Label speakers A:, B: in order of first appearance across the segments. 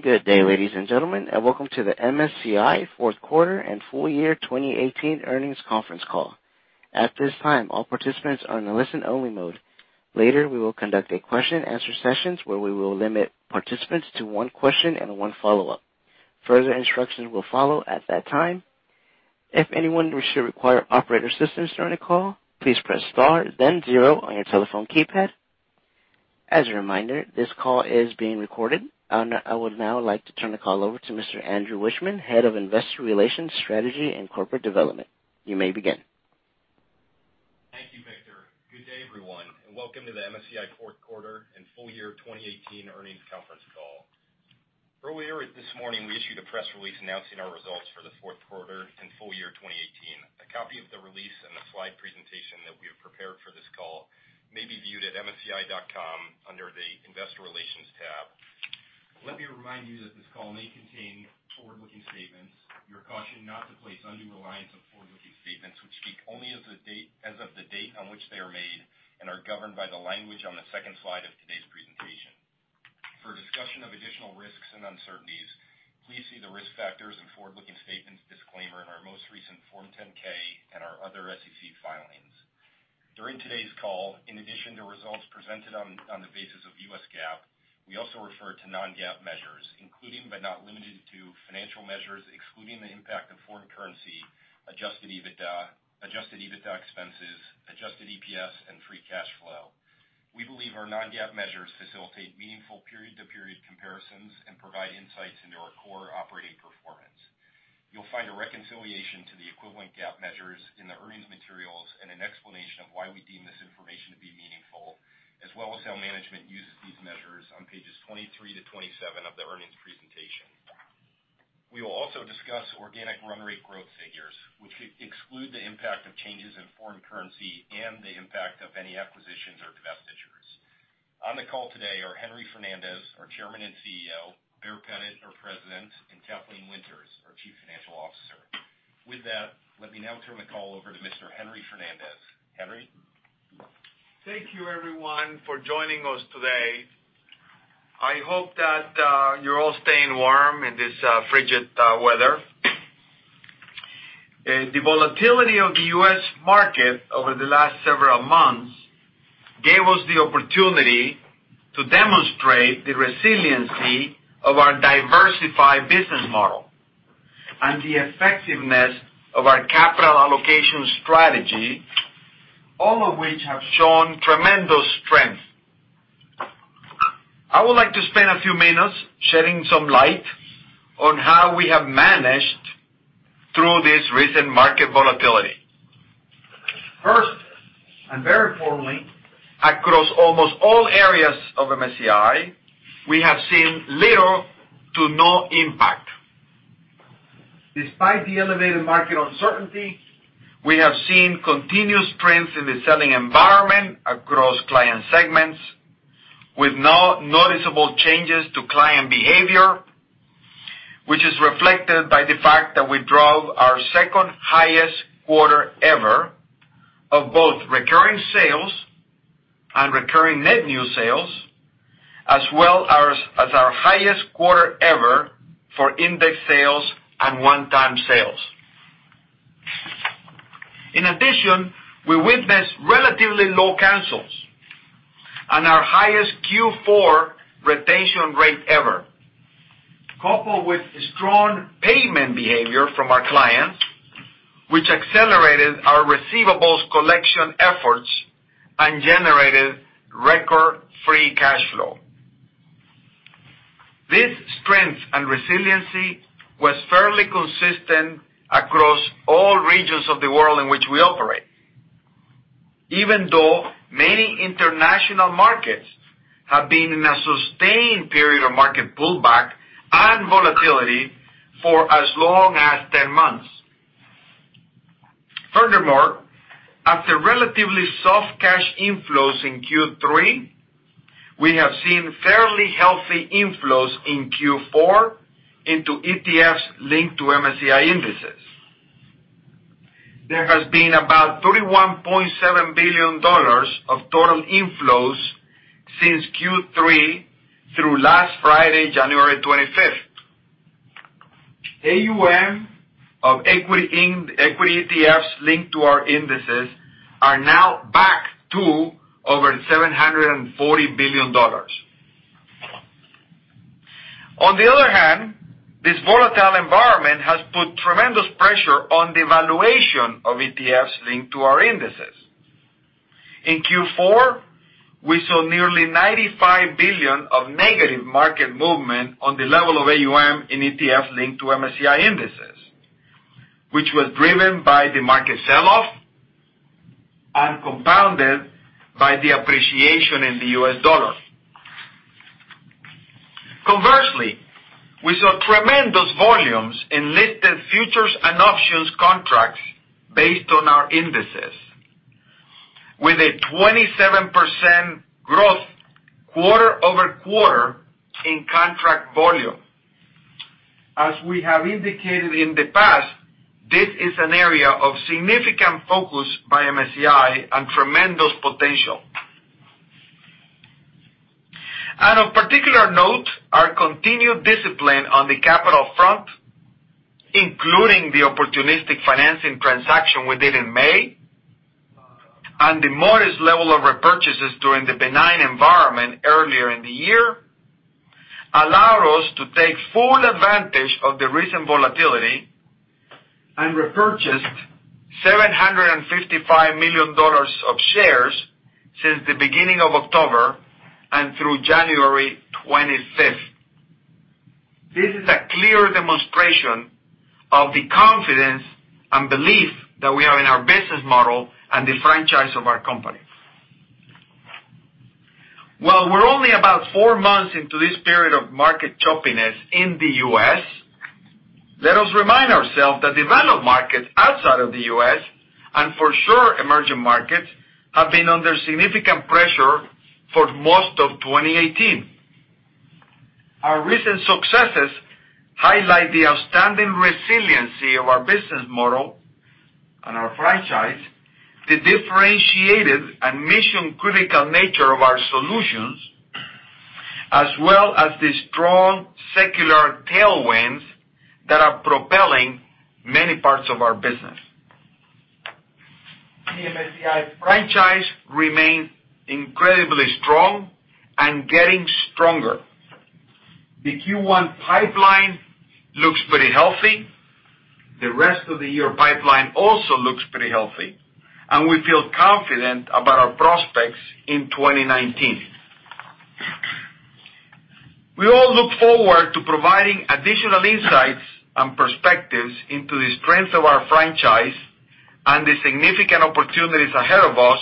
A: Good day, ladies and gentlemen, welcome to the MSCI fourth quarter and full year 2018 earnings conference call. At this time, all participants are in listen-only mode. Later, we will conduct a question and answer session where we will limit participants to one question and one follow-up. Further instructions will follow at that time. If anyone should require operator assistance during the call, please press star then zero on your telephone keypad. As a reminder, this call is being recorded. I would now like to turn the call over to Mr. Andrew Wiechmann, Head of Investor Relations, Strategy, and Corporate Development. You may begin.
B: Thank you, Victor. Good day, everyone, welcome to the MSCI fourth quarter and full year 2018 earnings conference call. Earlier this morning, we issued a press release announcing our results for the fourth quarter and full year 2018. A copy of the release and the slide presentation that we have prepared for this call may be viewed at msci.com under the investor relations tab. Let me remind you that this call may contain forward-looking statements. You are cautioned not to place undue reliance on forward-looking statements which speak only as of the date on which they are made and are governed by the language on the second slide of today's presentation. For a discussion of additional risks and uncertainties, please see the risk factors and forward-looking statements disclaimer in our most recent Form 10-K and our other SEC filings. During today's call, in addition to results presented on the basis of U.S. GAAP, we also refer to non-GAAP measures, including but not limited to financial measures excluding the impact of foreign currency, adjusted EBITDA, adjusted EBITDA expenses, adjusted EPS, and free cash flow. We believe our non-GAAP measures facilitate meaningful period-to-period comparisons and provide insights into our core operating performance. You'll find a reconciliation to the equivalent GAAP measures in the earnings materials and an explanation of why we deem this information to be meaningful, as well as how management uses these measures on pages 23-27 of the earnings presentation. We will also discuss organic run rate growth figures, which exclude the impact of changes in foreign currency and the impact of any acquisitions or divestitures. On the call today are Henry Fernandez, our Chairman and CEO, Baer Pettit, our President, and Kathleen Winters, our Chief Financial Officer. With that, let me now turn the call over to Mr. Henry Fernandez. Henry?
C: Thank you, everyone, for joining us today. I hope that you're all staying warm in this frigid weather. The volatility of the U.S. market over the last several months gave us the opportunity to demonstrate the resiliency of our diversified business model and the effectiveness of our capital allocation strategy, all of which have shown tremendous strength. I would like to spend a few minutes shedding some light on how we have managed through this recent market volatility. First, and very formally, across almost all areas of MSCI, we have seen little to no impact. Despite the elevated market uncertainty, we have seen continuous trends in the selling environment across client segments, with no noticeable changes to client behavior, which is reflected by the fact that we drove our second highest quarter ever of both recurring sales and recurring net new sales, as well as our highest quarter ever for index sales and one-time sales. In addition, we witnessed relatively low cancels and our highest Q4 retention rate ever, coupled with strong payment behavior from our clients, which accelerated our receivables collection efforts and generated record free cash flow. This strength and resiliency was fairly consistent across all regions of the world in which we operate, even though many international markets have been in a sustained period of market pullback and volatility for as long as 10 months. Furthermore, after relatively soft cash inflows in Q3, we have seen fairly healthy inflows in Q4 into ETFs linked to MSCI indices. There has been about $31.7 billion of total inflows since Q3 through last Friday, January 25th, 2018. AUM of equity ETFs linked to our indices are now back to over $740 billion. On the other hand, this volatile environment has put tremendous pressure on the valuation of ETFs linked to our indices. In Q4, we saw nearly $95 billion of negative market movement on the level of AUM in ETF linked to MSCI indices, which was driven by the market sell-off and compounded by the appreciation in the U.S. dollar. Conversely, we saw tremendous volumes in listed futures and options contracts based on our indices, with a 27% growth quarter-over-quarter in contract volume. As we have indicated in the past, this is an area of significant focus by MSCI and tremendous potential. Of particular note, our continued discipline on the capital front, including the opportunistic financing transaction we did in May, and the modest level of repurchases during the benign environment earlier in the year, allowed us to take full advantage of the recent volatility and repurchased $755 million of shares since the beginning of October and through January 25th, 2018. This is a clear demonstration of the confidence and belief that we have in our business model and the franchise of our company. While we're only about four months into this period of market choppiness in the U.S., let us remind ourselves that developed markets outside of the U.S., and for sure emerging markets, have been under significant pressure for most of 2018. Our recent successes highlight the outstanding resiliency of our business model and our franchise, the differentiated and mission-critical nature of our solutions, as well as the strong secular tailwinds that are propelling many parts of our business. The MSCI franchise remains incredibly strong and getting stronger. The Q1 pipeline looks pretty healthy. The rest of the year pipeline also looks pretty healthy, and we feel confident about our prospects in 2019. We all look forward to providing additional insights and perspectives into the strength of our franchise and the significant opportunities ahead of us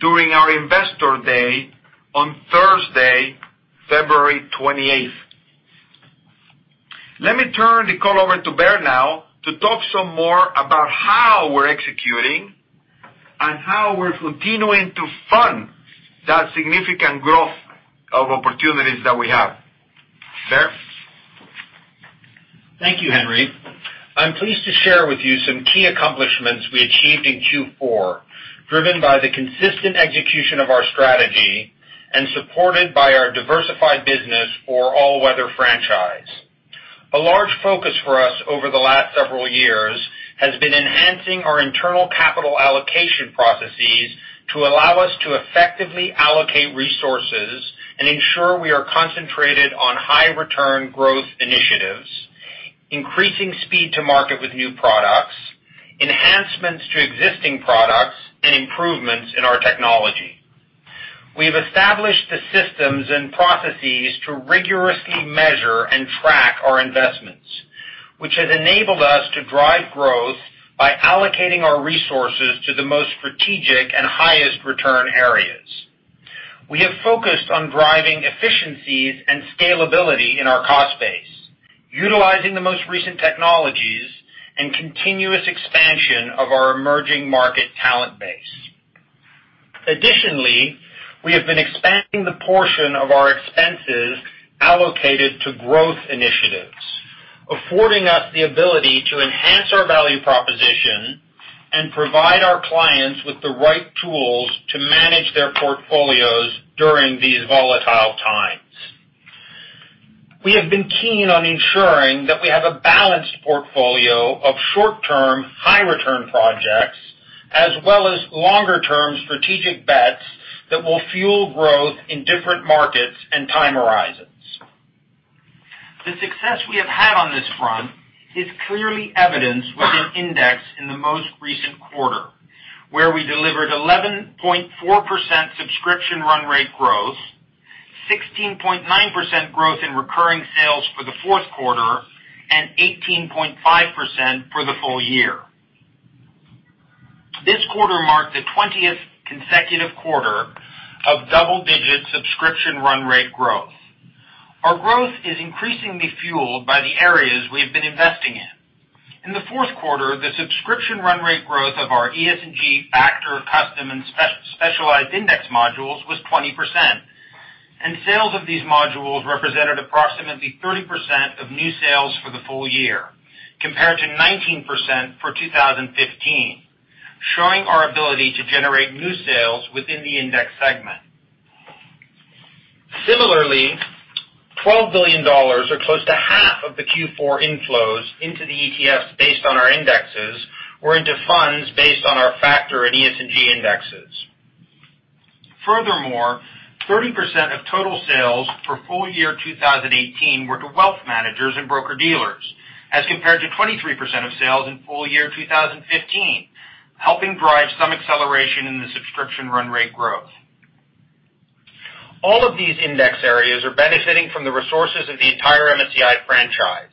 C: during our Investor Day on Thursday, February 28th, 2018. Let me turn the call over to Baer now to talk some more about how we're executing and how we're continuing to fund that significant growth of opportunities that we have. Baer?
D: Thank you, Henry. I'm pleased to share with you some key accomplishments we achieved in Q4, driven by the consistent execution of our strategy and supported by our diversified business or all-weather franchise. A large focus for us over the last several years has been enhancing our internal capital allocation processes to allow us to effectively allocate resources and ensure we are concentrated on high-return growth initiatives, increasing speed to market with new products, enhancements to existing products, and improvements in our technology. We have established the systems and processes to rigorously measure and track our investments, which has enabled us to drive growth by allocating our resources to the most strategic and highest return areas. We have focused on driving efficiencies and scalability in our cost base, utilizing the most recent technologies, and continuous expansion of our emerging market talent base. Additionally, we have been expanding the portion of our expenses allocated to growth initiatives, affording us the ability to enhance our value proposition and provide our clients with the right tools to manage their portfolios during these volatile times. We have been keen on ensuring that we have a balanced portfolio of short-term, high-return projects, as well as longer-term strategic bets that will fuel growth in different markets and time horizons. The success we have had on this front is clearly evidenced with an index in the most recent quarter, where we delivered 11.4% subscription run rate growth, 16.9% growth in recurring sales for the fourth quarter, and 18.5% for the full year. This quarter marked the 20th consecutive quarter of double-digit subscription run rate growth. Our growth is increasingly fueled by the areas we have been investing in. In the fourth quarter, the subscription run rate growth of our ESG factor, custom, and specialized index modules was 20%, and sales of these modules represented approximately 30% of new sales for the full year, compared to 19% for 2015, showing our ability to generate new sales within the index segment. Similarly, $12 billion, or close to half of the Q4 inflows into the ETFs based on our indexes, were into funds based on our factor in ESG indexes. Furthermore, 30% of total sales for full year 2018 were to wealth managers and broker-dealers, as compared to 23% of sales in full year 2015, helping drive some acceleration in the subscription run rate growth. All of these index areas are benefiting from the resources of the entire MSCI franchise.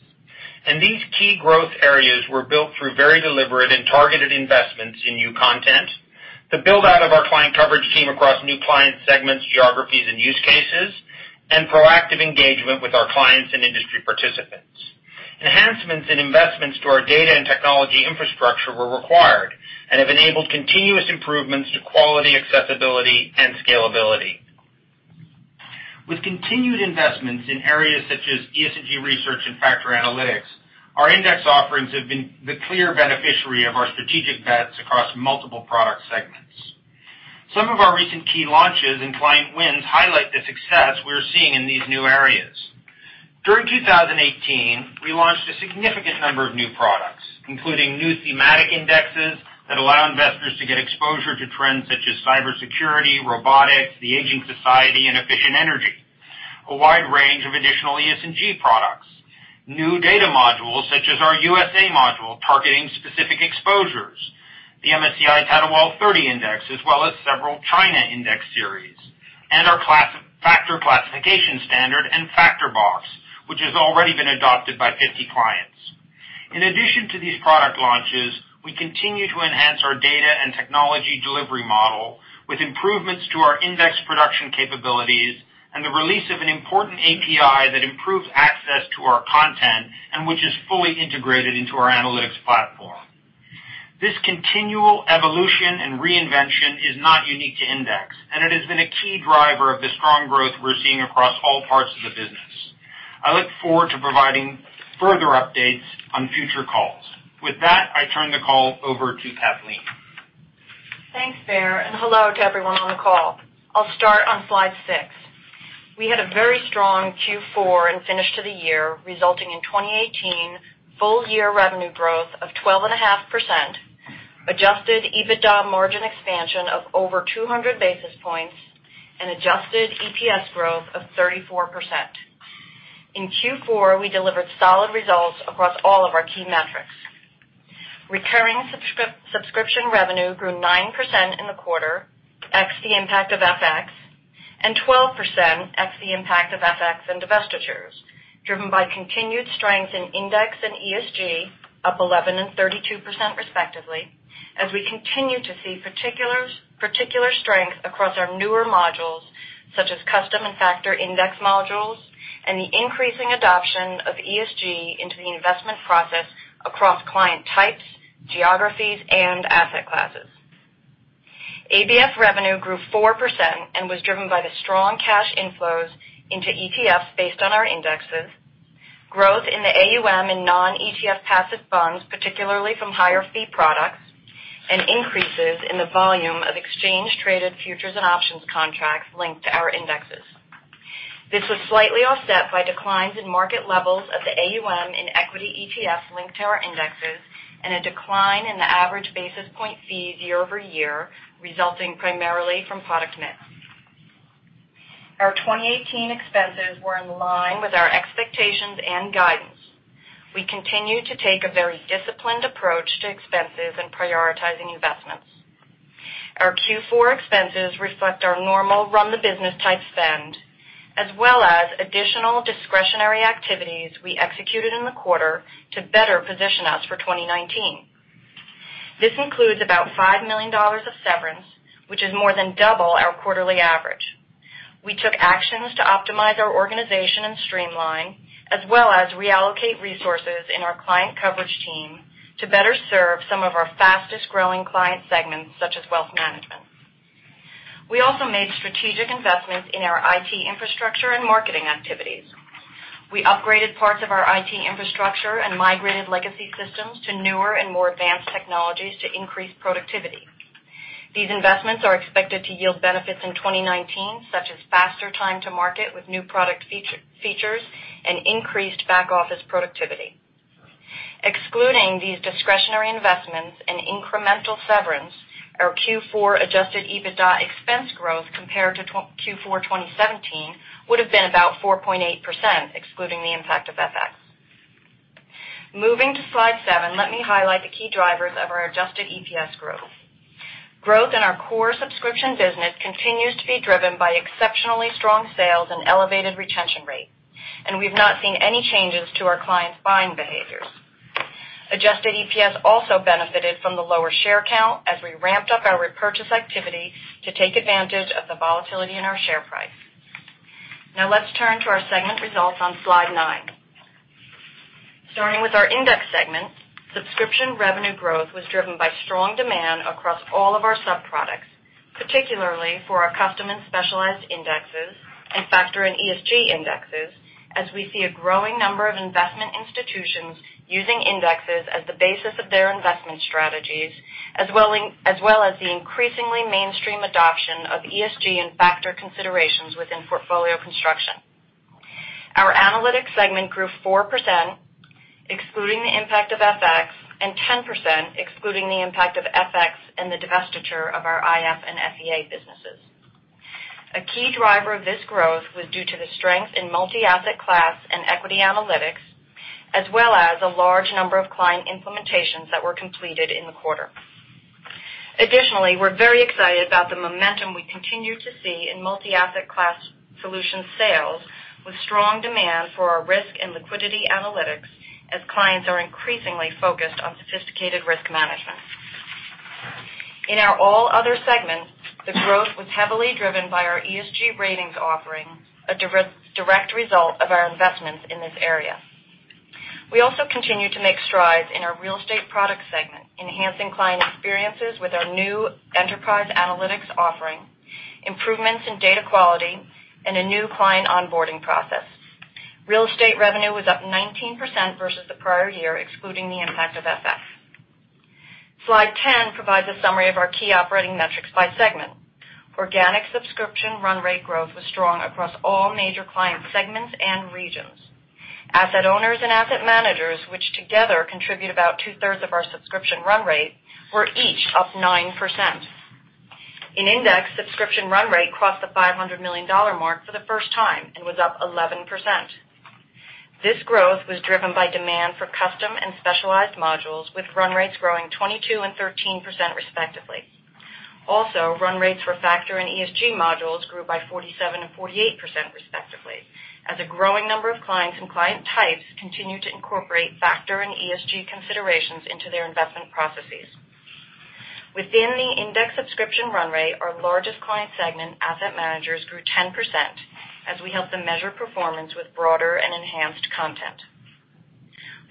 D: These key growth areas were built through very deliberate and targeted investments in new content, the build-out of our client coverage team across new client segments, geographies, and use cases, and proactive engagement with our clients and industry participants. Enhancements in investments to our data and technology infrastructure were required and have enabled continuous improvements to quality, accessibility. With continued investments in areas such as ESG research and factor analytics, our index offerings have been the clear beneficiary of our strategic bets across multiple product segments. Some of our recent key launches and client wins highlight the success we're seeing in these new areas. During 2018, we launched a significant number of new products, including new thematic indexes that allow investors to get exposure to trends such as cybersecurity, robotics, the aging society, and efficient energy. A wide range of additional ESG products, new data modules such as our U.S.A. module targeting specific exposures, the MSCI Tadawul 30 Index, as well as several China index series, and our factor classification standard and MSCI Factor Box, which has already been adopted by 50 clients. In addition to these product launches, we continue to enhance our data and technology delivery model with improvements to our index production capabilities and the release of an important API that improves access to our content and which is fully integrated into our MSCI Analytics platform. This continual evolution and reinvention is not unique to Index. It has been a key driver of the strong growth we're seeing across all parts of the business. I look forward to providing further updates on future calls. With that, I turn the call over to Kathleen.
E: Thanks, Baer, and hello to everyone on the call. I'll start on slide six. We had a very strong Q4 and finish to the year, resulting in 2018 full-year revenue growth of 12.5%, adjusted EBITDA margin expansion of over 200 basis points, and adjusted EPS growth of 34%. In Q4, we delivered solid results across all of our key metrics. Recurring subscription revenue grew 9% in the quarter, ex the impact of FX, and 12% ex the impact of FX and divestitures, driven by continued strength in index and ESG, up 11% and 32% respectively, as we continue to see particular strength across our newer modules such as custom and factor index modules and the increasing adoption of ESG into the investment process across client types, geographies, and asset classes. ABF revenue grew 4% and was driven by the strong cash inflows into ETFs based on our indexes, growth in the AUM in non-ETF passive funds, particularly from higher fee products, and increases in the volume of exchange traded futures and options contracts linked to our indexes. This was slightly offset by declines in market levels of the AUM in equity ETF linked to our indexes and a decline in the average basis point fees year-over-year, resulting primarily from product mix. Our 2018 expenses were in line with our expectations and guidance. We continue to take a very disciplined approach to expenses and prioritizing investments. Our Q4 expenses reflect our normal run the business type spend, as well as additional discretionary activities we executed in the quarter to better position us for 2019. This includes about $5 million of severance, which is more than double our quarterly average. We took actions to optimize our organization and streamline, as well as reallocate resources in our client coverage team to better serve some of our fastest-growing client segments, such as wealth management. We also made strategic investments in our IT infrastructure and marketing activities. We upgraded parts of our IT infrastructure and migrated legacy systems to newer and more advanced technologies to increase productivity. These investments are expected to yield benefits in 2019, such as faster time to market with new product features, and increased back-office productivity. Excluding these discretionary investments and incremental severance, our Q4 adjusted EBITDA expense growth compared to Q4 2017 would have been about 4.8%, excluding the impact of FX. Growth in our core subscription business continues to be driven by exceptionally strong sales and elevated retention rate. We've not seen any changes to our clients' buying behaviors. Adjusted EPS also benefited from the lower share count as we ramped up our repurchase activity to take advantage of the volatility in our share price. Now let's turn to our segment results on slide nine. Starting with our index segment, subscription revenue growth was driven by strong demand across all of our sub-products, particularly for our custom and specialized indexes and factor in ESG indexes, as we see a growing number of investment institutions using indexes as the basis of their investment strategies, as well as the increasingly mainstream adoption of ESG and factor considerations within portfolio construction. Our analytics segment grew 4%, excluding the impact of FX, and 10%, excluding the impact of FX and the divestiture of our InvestorForce and FEA businesses. A key driver of this growth was due to the strength in multi-asset class and equity analytics, as well as a large number of client implementations that were completed in the quarter. Additionally, we're very excited about the momentum we continue to see in multi-asset class solutions sales with strong demand for our risk and liquidity analytics as clients are increasingly focused on sophisticated risk management. In our all other segments, the growth was heavily driven by our ESG ratings offering, a direct result of our investments in this area. We also continue to make strides in our real estate product segment, enhancing client experiences with our new enterprise analytics offering, improvements in data quality, and a new client onboarding process. Real estate revenue was up 19% versus the prior year, excluding the impact of FX. Slide 10 provides a summary of our key operating metrics by segment. Organic subscription run rate growth was strong across all major client segments and regions. Asset owners and asset managers, which together contribute about 2/3 of our subscription run rate, were each up 9%. In index, subscription run rate crossed the $500 million mark for the first time and was up 11%. This growth was driven by demand for custom and specialized modules, with run rates growing 22% and 13% respectively. Also, run rates for factor and ESG modules grew by 47% and 48%, respectively, as a growing number of clients and client types continue to incorporate factor and ESG considerations into their investment processes. Within the index subscription run rate, our largest client segment, asset managers, grew 10% as we help them measure performance with broader and enhanced content.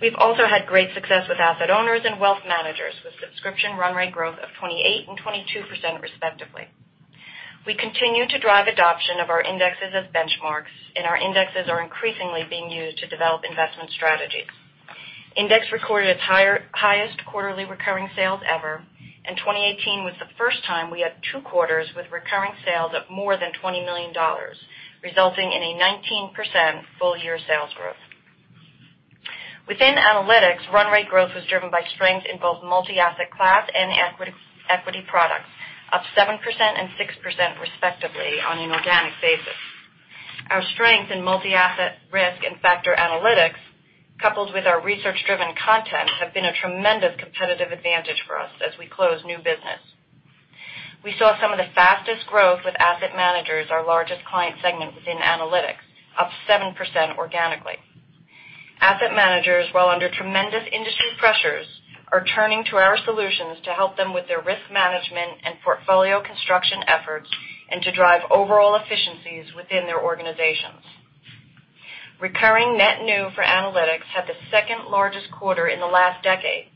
E: We've also had great success with asset owners and wealth managers, with subscription run rate growth of 28% and 22%, respectively. We continue to drive adoption of our indexes as benchmarks, and our indexes are increasingly being used to develop investment strategies. Index recorded its highest quarterly recurring sales ever, and 2018 was the first time we had two quarters with recurring sales of more than $20 million, resulting in a 19% full-year sales growth. Within analytics, run rate growth was driven by strength in both multi-asset class and equity products, up 7% and 6% respectively on an organic basis. Our strength in multi-asset risk and factor analytics, coupled with our research-driven content, have been a tremendous competitive advantage for us as we close new business. We saw some of the fastest growth with asset managers, our largest client segment within analytics, up 7% organically. Asset managers, while under tremendous industry pressures, are turning to our solutions to help them with their risk management and portfolio construction efforts and to drive overall efficiencies within their organizations. Recurring net new for analytics had the second largest quarter in the last decade,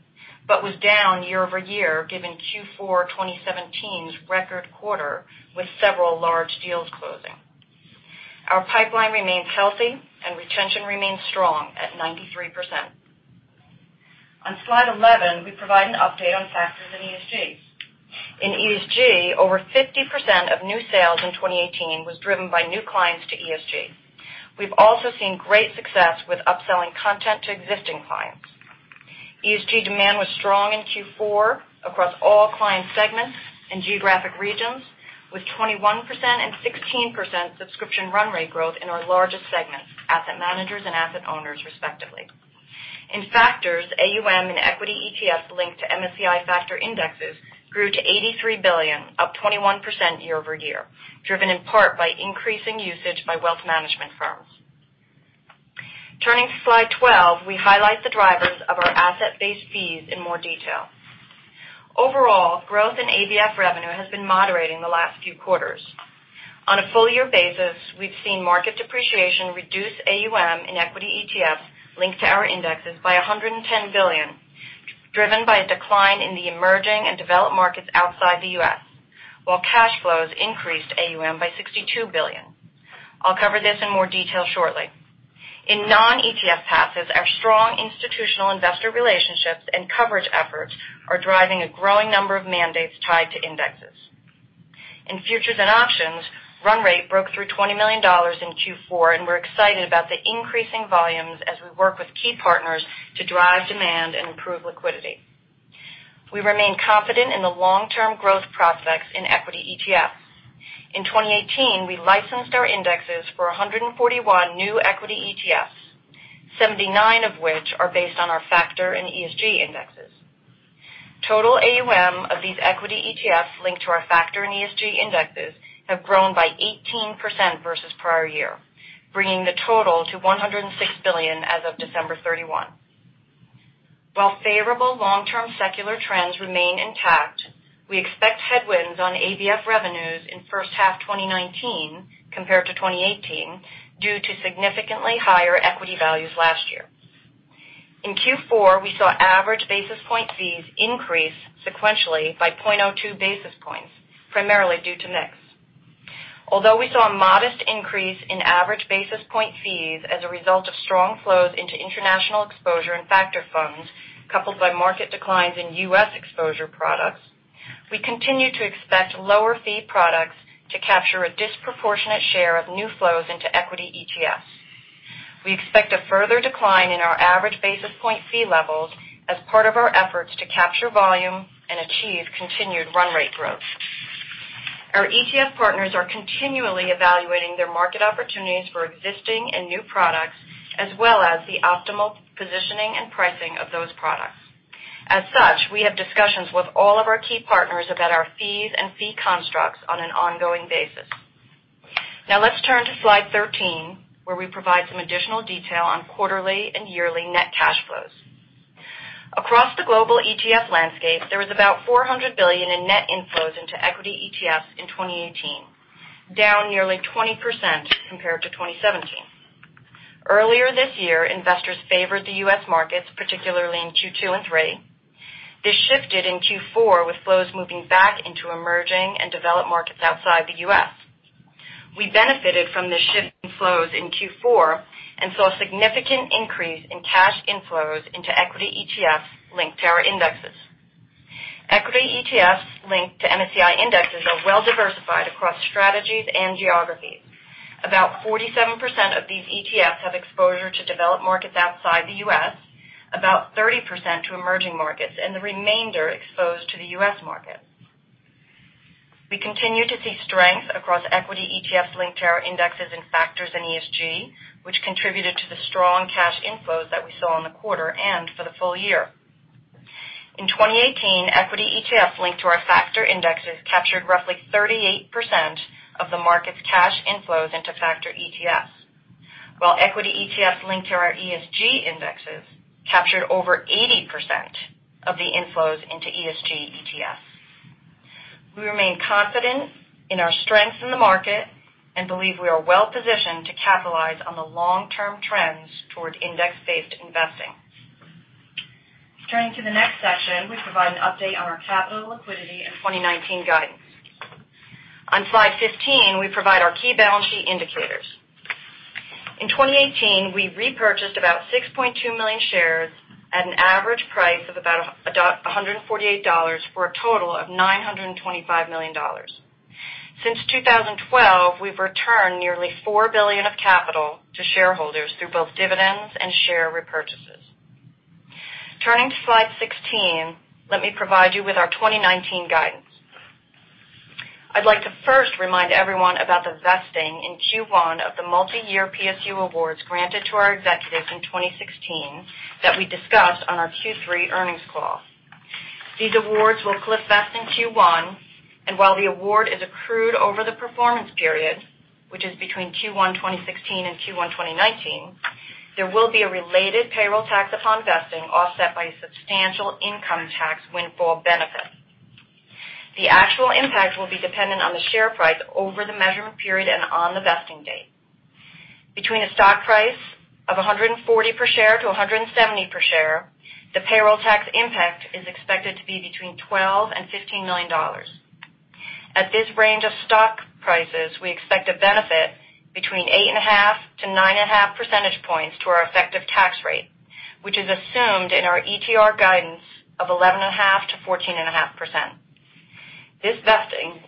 E: but was down year-over-year given Q4 2017's record quarter with several large deals closing. Our pipeline remains healthy and retention remains strong at 93%. On slide 11, we provide an update on factors in ESG. In ESG, over 50% of new sales in 2018 was driven by new clients to ESG. We've also seen great success with upselling content to existing clients. ESG demand was strong in Q4 across all client segments and geographic regions, with 21% and 16% subscription run rate growth in our largest segments, asset managers and asset owners, respectively. In factors, AUM and equity ETF linked to MSCI factor indexes grew to $83 billion, up 21% year-over-year, driven in part by increasing usage by wealth management firms. Turning to slide 12, we highlight the drivers of our asset-based fees in more detail. Overall, growth in ABF revenue has been moderating the last few quarters. On a full year basis, we've seen market depreciation reduce AUM in equity ETFs linked to our indexes by $110 billion, driven by a decline in the emerging and developed markets outside the U.S., while cash flows increased AUM by $62 billion. I'll cover this in more detail shortly. In non-ETF passes, our strong institutional investor relationships and coverage efforts are driving a growing number of mandates tied to indexes. In futures and options, run rate broke through $20 million in Q4. We're excited about the increasing volumes as we work with key partners to drive demand and improve liquidity. We remain confident in the long-term growth prospects in equity ETF. In 2018, we licensed our indexes for 141 new equity ETFs, 79 of which are based on our factor and ESG indexes. Total AUM of these equity ETFs linked to our factor and ESG indexes have grown by 18% versus prior year, bringing the total to $106 billion as of December 31. While favorable long-term secular trends remain intact, we expect headwinds on ABF revenues in first half 2019 compared to 2018 due to significantly higher equity values last year. In Q4, we saw average basis point fees increase sequentially by 0.02 basis points, primarily due to mix. Although we saw a modest increase in average basis point fees as a result of strong flows into international exposure and factor funds, coupled by market declines in U.S. exposure products, we continue to expect lower fee products to capture a disproportionate share of new flows into equity ETFs. We expect a further decline in our average basis point fee levels as part of our efforts to capture volume and achieve continued run rate growth. Our ETF partners are continually evaluating their market opportunities for existing and new products, as well as the optimal positioning and pricing of those products. As such, we have discussions with all of our key partners about our fees and fee constructs on an ongoing basis. Now let's turn to slide 13, where we provide some additional detail on quarterly and yearly net cash flows. Across the global ETF landscape, there was about $400 billion in net inflows into equity ETFs in 2018, down nearly 20% compared to 2017. Earlier this year, investors favored the U.S. markets, particularly in Q2 and 3. This shifted in Q4 with flows moving back into emerging and developed markets outside the U.S. We benefited from this shift in flows in Q4 and saw a significant increase in cash inflows into equity ETFs linked to our indexes. Equity ETFs linked to MSCI indexes are well diversified across strategies and geographies. About 47% of these ETFs have exposure to developed markets outside the U.S., about 30% to emerging markets, and the remainder exposed to the U.S. market. We continue to see strength across equity ETFs linked to our indexes in factors and ESG, which contributed to the strong cash inflows that we saw in the quarter and for the full year. In 2018, equity ETFs linked to our factor indexes captured roughly 38% of the market's cash inflows into factor ETFs, while equity ETFs linked to our ESG indexes captured over 80% of the inflows into ESG ETFs. We remain confident in our strength in the market and believe we are well-positioned to capitalize on the long-term trends toward index-based investing. Turning to the next section, we provide an update on our capital liquidity and 2019 guidance. On slide 15, we provide our key balance sheet indicators. In 2018, we repurchased about 6.2 million shares at an average price of about $148 for a total of $925 million. Since 2012, we've returned nearly $4 billion of capital to shareholders through both dividends and share repurchases. Turning to slide 16, let me provide you with our 2019 guidance. I'd like to first remind everyone about the vesting in Q1 of the multi-year PSU awards granted to our executives in 2016 that we discussed on our Q3 earnings call. These awards will cliff vest in Q1, and while the award is accrued over the performance period, which is between Q1 2016 and Q1 2019, there will be a related payroll tax upon vesting, offset by a substantial income tax windfall benefit. The actual impact will be dependent on the share price over the measurement period and on the vesting date. Between a stock price of $140 per share to $170 per share, the payroll tax impact is expected to be between $12 million and $15 million. At this range of stock prices, we expect a benefit between 8.5-9.5 percentage points to our effective tax rate, which is assumed in our ETR guidance of 11.5%-14.5%. This vesting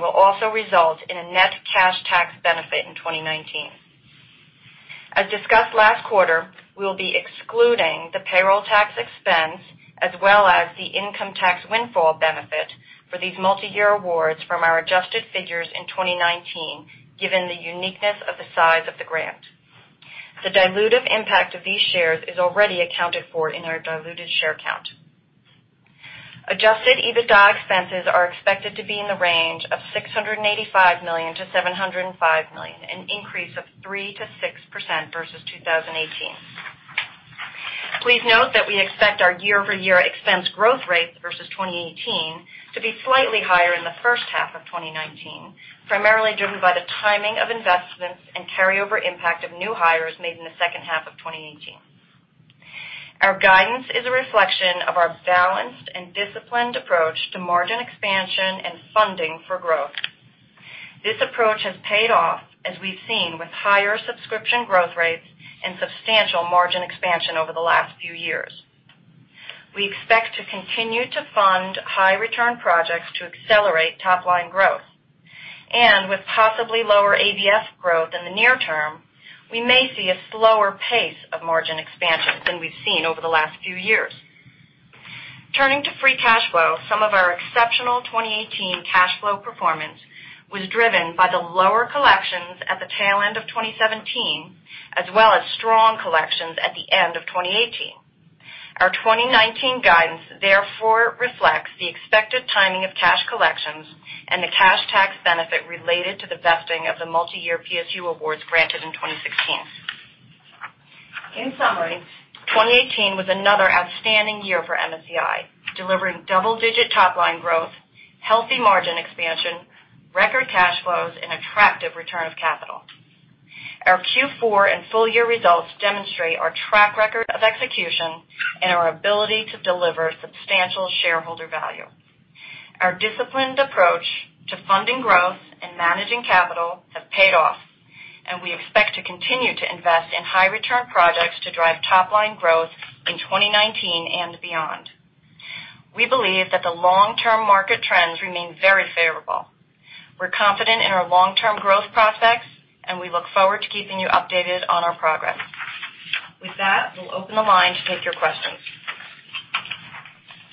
E: will also result in a net cash tax benefit in 2019. As discussed last quarter, we will be excluding the payroll tax expense as well as the income tax windfall benefit for these multi-year awards from our adjusted figures in 2019, given the uniqueness of the size of the grant. The dilutive impact of these shares is already accounted for in our diluted share count. Adjusted EBITDA expenses are expected to be in the range of $685 million-$705 million, an increase of 3%-6% versus 2018. Please note that we expect our year-over-year expense growth rates versus 2018 to be slightly higher in the first half of 2019, primarily driven by the timing of investments and carryover impact of new hires made in the second half of 2018. Our guidance is a reflection of our balanced and disciplined approach to margin expansion and funding for growth. This approach has paid off as we've seen with higher subscription growth rates and substantial margin expansion over the last few years. We expect to continue to fund high-return projects to accelerate top-line growth. With possibly lower ABF growth in the near term, we may see a slower pace of margin expansion than we've seen over the last few years. Turning to free cash flow, some of our exceptional 2018 cash flow performance was driven by the lower collections at the tail end of 2017, as well as strong collections at the end of 2018. Our 2019 guidance reflects the expected timing of cash collections and the cash tax benefit related to the vesting of the multi-year PSU awards granted in 2016. In summary, 2018 was another outstanding year for MSCI, delivering double-digit top-line growth, healthy margin expansion, record cash flows, and attractive return of capital. Our Q4 and full-year results demonstrate our track record of execution and our ability to deliver substantial shareholder value. Our disciplined approach to funding growth and managing capital have paid off, we expect to continue to invest in high-return projects to drive top-line growth in 2019 and beyond. We believe that the long-term market trends remain very favorable. We're confident in our long-term growth prospects, we look forward to keeping you updated on our progress. With that, we'll open the line to take your questions.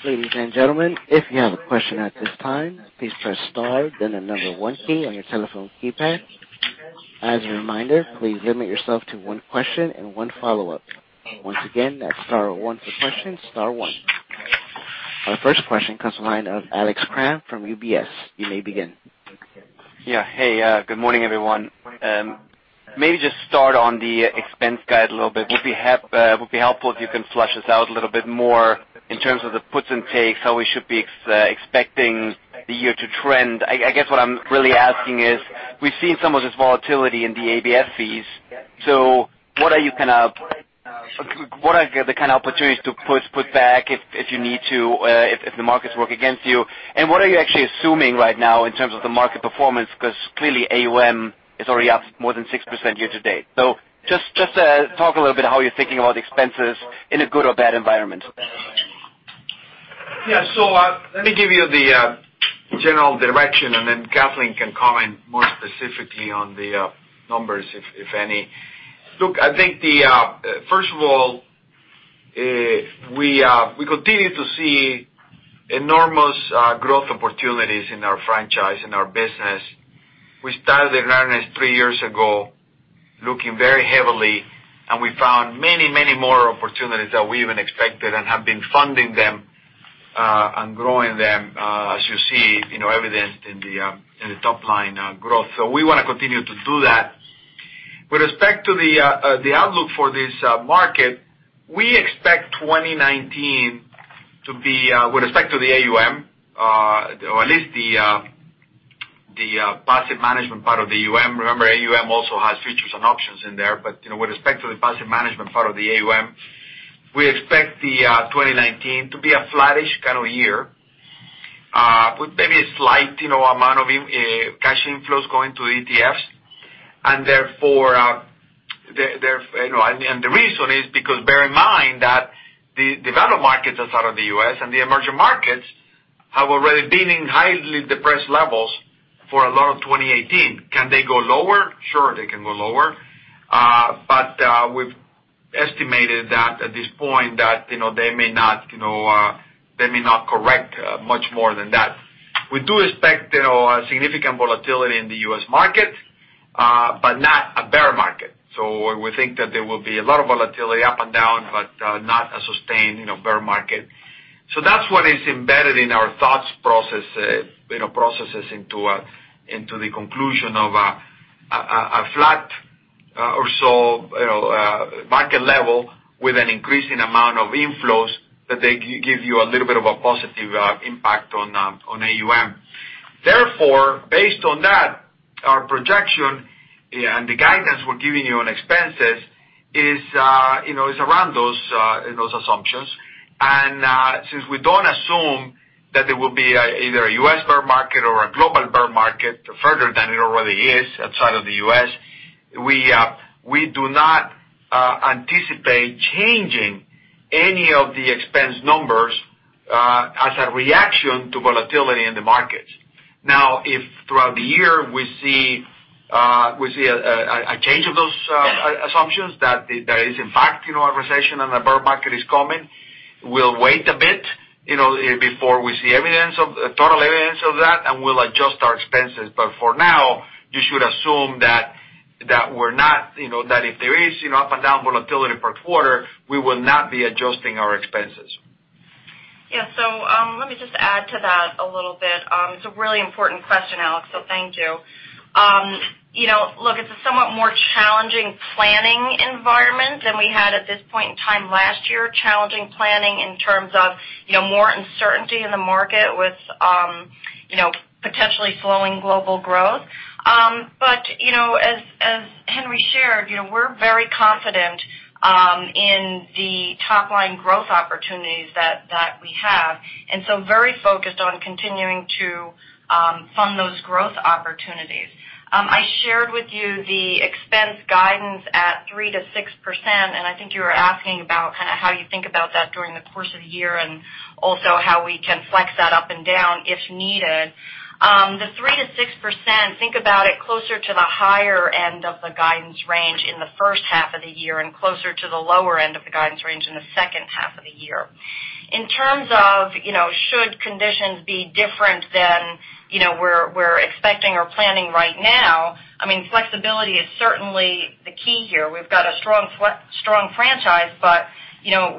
A: Ladies and gentlemen, if you have a question at this time, please press star, then the number one key on your telephone keypad. As a reminder, please limit yourself to one question and one follow-up. Once again, that's star one for questions, star one. Our first question comes to the line of Alex Kramm from UBS. You may begin.
F: Yeah. Hey, good morning, everyone. Maybe just start on the expense guide a little bit. Would be helpful if you can flush this out a little bit more in terms of the puts and takes, how we should be expecting the year to trend. I guess what I'm really asking is, we've seen some of this volatility in the ABF fees. What are the kind of opportunities to put back if you need to, if the markets work against you? What are you actually assuming right now in terms of the market performance? Clearly AUM is already up more than 6% year-to-date. Just talk a little bit how you're thinking about expenses in a good or bad environment.
C: Yeah. Let me give you the general direction, and then Kathleen can comment more specifically on the numbers, if any. I think, first of all, we continue to see enormous growth opportunities in our franchise, in our business. We started the awareness three years ago, looking very heavily, and we found many more opportunities than we even expected and have been funding them, and growing them, as you see evidenced in the top-line growth. We want to continue to do that. With respect to the outlook for this market, we expect 2019 to be, with respect to the AUM, or at least the asset management part of the AUM. Remember, AUM also has features and options in there. With respect to the asset management part of the AUM, we expect the 2019 to be a flattish kind of year, with maybe a slight amount of cash inflows going to ETFs. The reason is because bear in mind that the developed markets outside of the U.S. and the emerging markets have already been in highly depressed levels for a lot of 2018. Can they go lower? Sure, they can go lower. We've estimated that at this point that they may not correct much more than that. We do expect a significant volatility in the U.S. market, but not a bear market. We think that there will be a lot of volatility up and down, but not a sustained bear market. That's what is embedded in our thoughts processes into the conclusion of a flat or so market level with an increasing amount of inflows that they give you a little bit of a positive impact on AUM. Therefore, based on that, our projection and the guidance we're giving you on expenses is around those assumptions. Since we don't assume that there will be either a U.S. bear market or a global bear market further than it already is outside of the U.S., we do not anticipate changing any of the expense numbers as a reaction to volatility in the markets. If throughout the year we see a change of those assumptions, that there is in fact a recession and a bear market is coming, we'll wait a bit before we see total evidence of that, we'll adjust our expenses. For now, you should assume that if there is up and down volatility per quarter, we will not be adjusting our expenses.
E: Yeah. Let me just add to that a little bit. It's a really important question, Alex, so thank you. Look, it's a somewhat more challenging planning environment than we had at this point in time last year, challenging planning in terms of more uncertainty in the market with potentially slowing global growth. As Henry shared, we're very confident in the top-line growth opportunities that we have, and so very focused on continuing to fund those growth opportunities. I shared with you the expense guidance at 3%-6%, and I think you were asking about how you think about that during the course of the year, and also how we can flex that up and down if needed. The 3%-6%, think about it closer to the higher end of the guidance range in the first half of the year and closer to the lower end of the guidance range in the second half of the year. In terms of should conditions be different than we're expecting or planning right now, flexibility is certainly the key here. We've got a strong franchise, but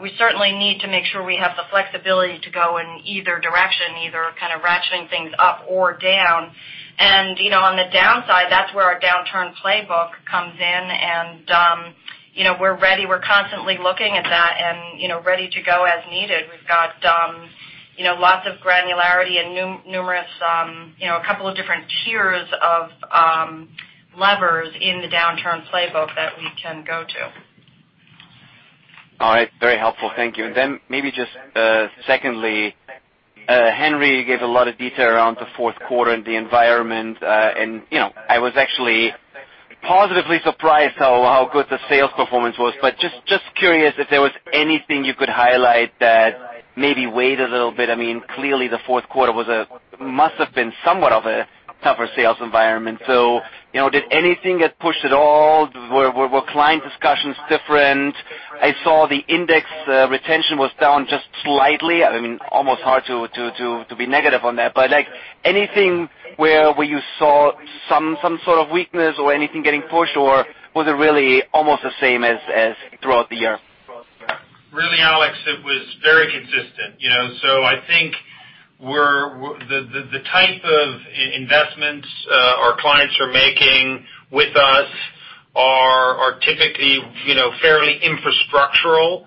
E: we certainly need to make sure we have the flexibility to go in either direction, either ratcheting things up or down. On the downside, that's where our downturn playbook comes in, and we're ready. We're constantly looking at that and ready to go as needed. We've got lots of granularity and a couple of different tiers of levers in the downturn playbook that we can go to.
F: All right. Very helpful. Thank you. Then maybe just secondly, Henry gave a lot of detail around the fourth quarter and the environment. I was actually positively surprised how good the sales performance was. But just curious if there was anything you could highlight that maybe weighed a little bit. Clearly the fourth quarter must have been somewhat of a tougher sales environment. Did anything get pushed at all? Were client discussions different? I saw the index retention was down just slightly. Almost hard to be negative on that. But anything where you saw some sort of weakness or anything getting pushed, or was it really almost the same as throughout the year?
C: It's very consistent. I think the type of investments our clients are making with us are typically fairly infrastructural.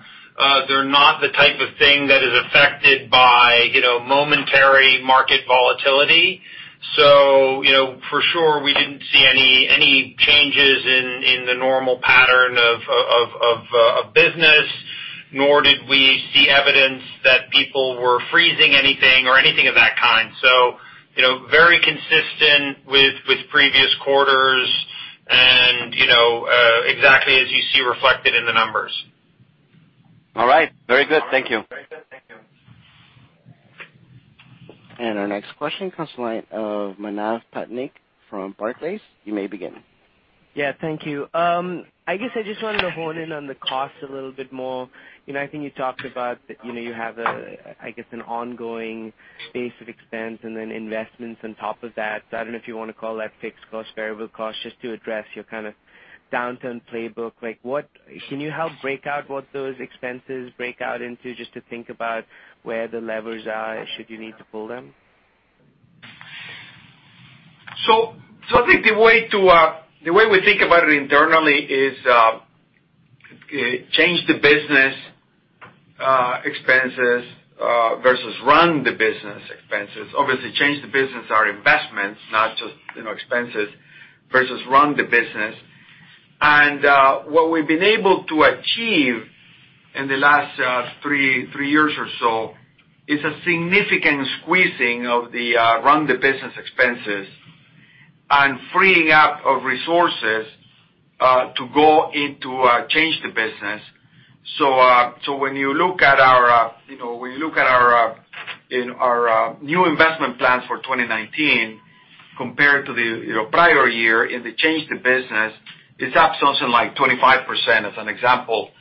C: They're not the type of thing that is affected by momentary market volatility. For sure, we didn't see any changes in the normal pattern of business, nor did we see evidence that people were freezing anything or anything of that kind. Very consistent with previous quarters and exactly as you see reflected in the numbers.
F: All right. Very good. Thank you.
A: Our next question comes from the line of Manav Patnaik from Barclays. You may begin.
G: Thank you. I guess I just wanted to hone in on the cost a little bit more. I think you talked about that you have, I guess, an ongoing base of expense and then investments on top of that. I don't know if you want to call that fixed cost, variable cost, just to address your kind of downturn playbook. Can you help break out what those expenses break out into, just to think about where the levers are and should you need to pull them?
C: I think the way we think about it internally is, change the business expenses versus run the business expenses. Obviously, change the business are investments, not just expenses, versus run the business. What we've been able to achieve in the last three years or so is a significant squeezing of the run the business expenses and freeing up of resources to go into change the business. When you look at our new investment plans for 2019 compared to the prior year in the change to business, it's up something like 25%, as an example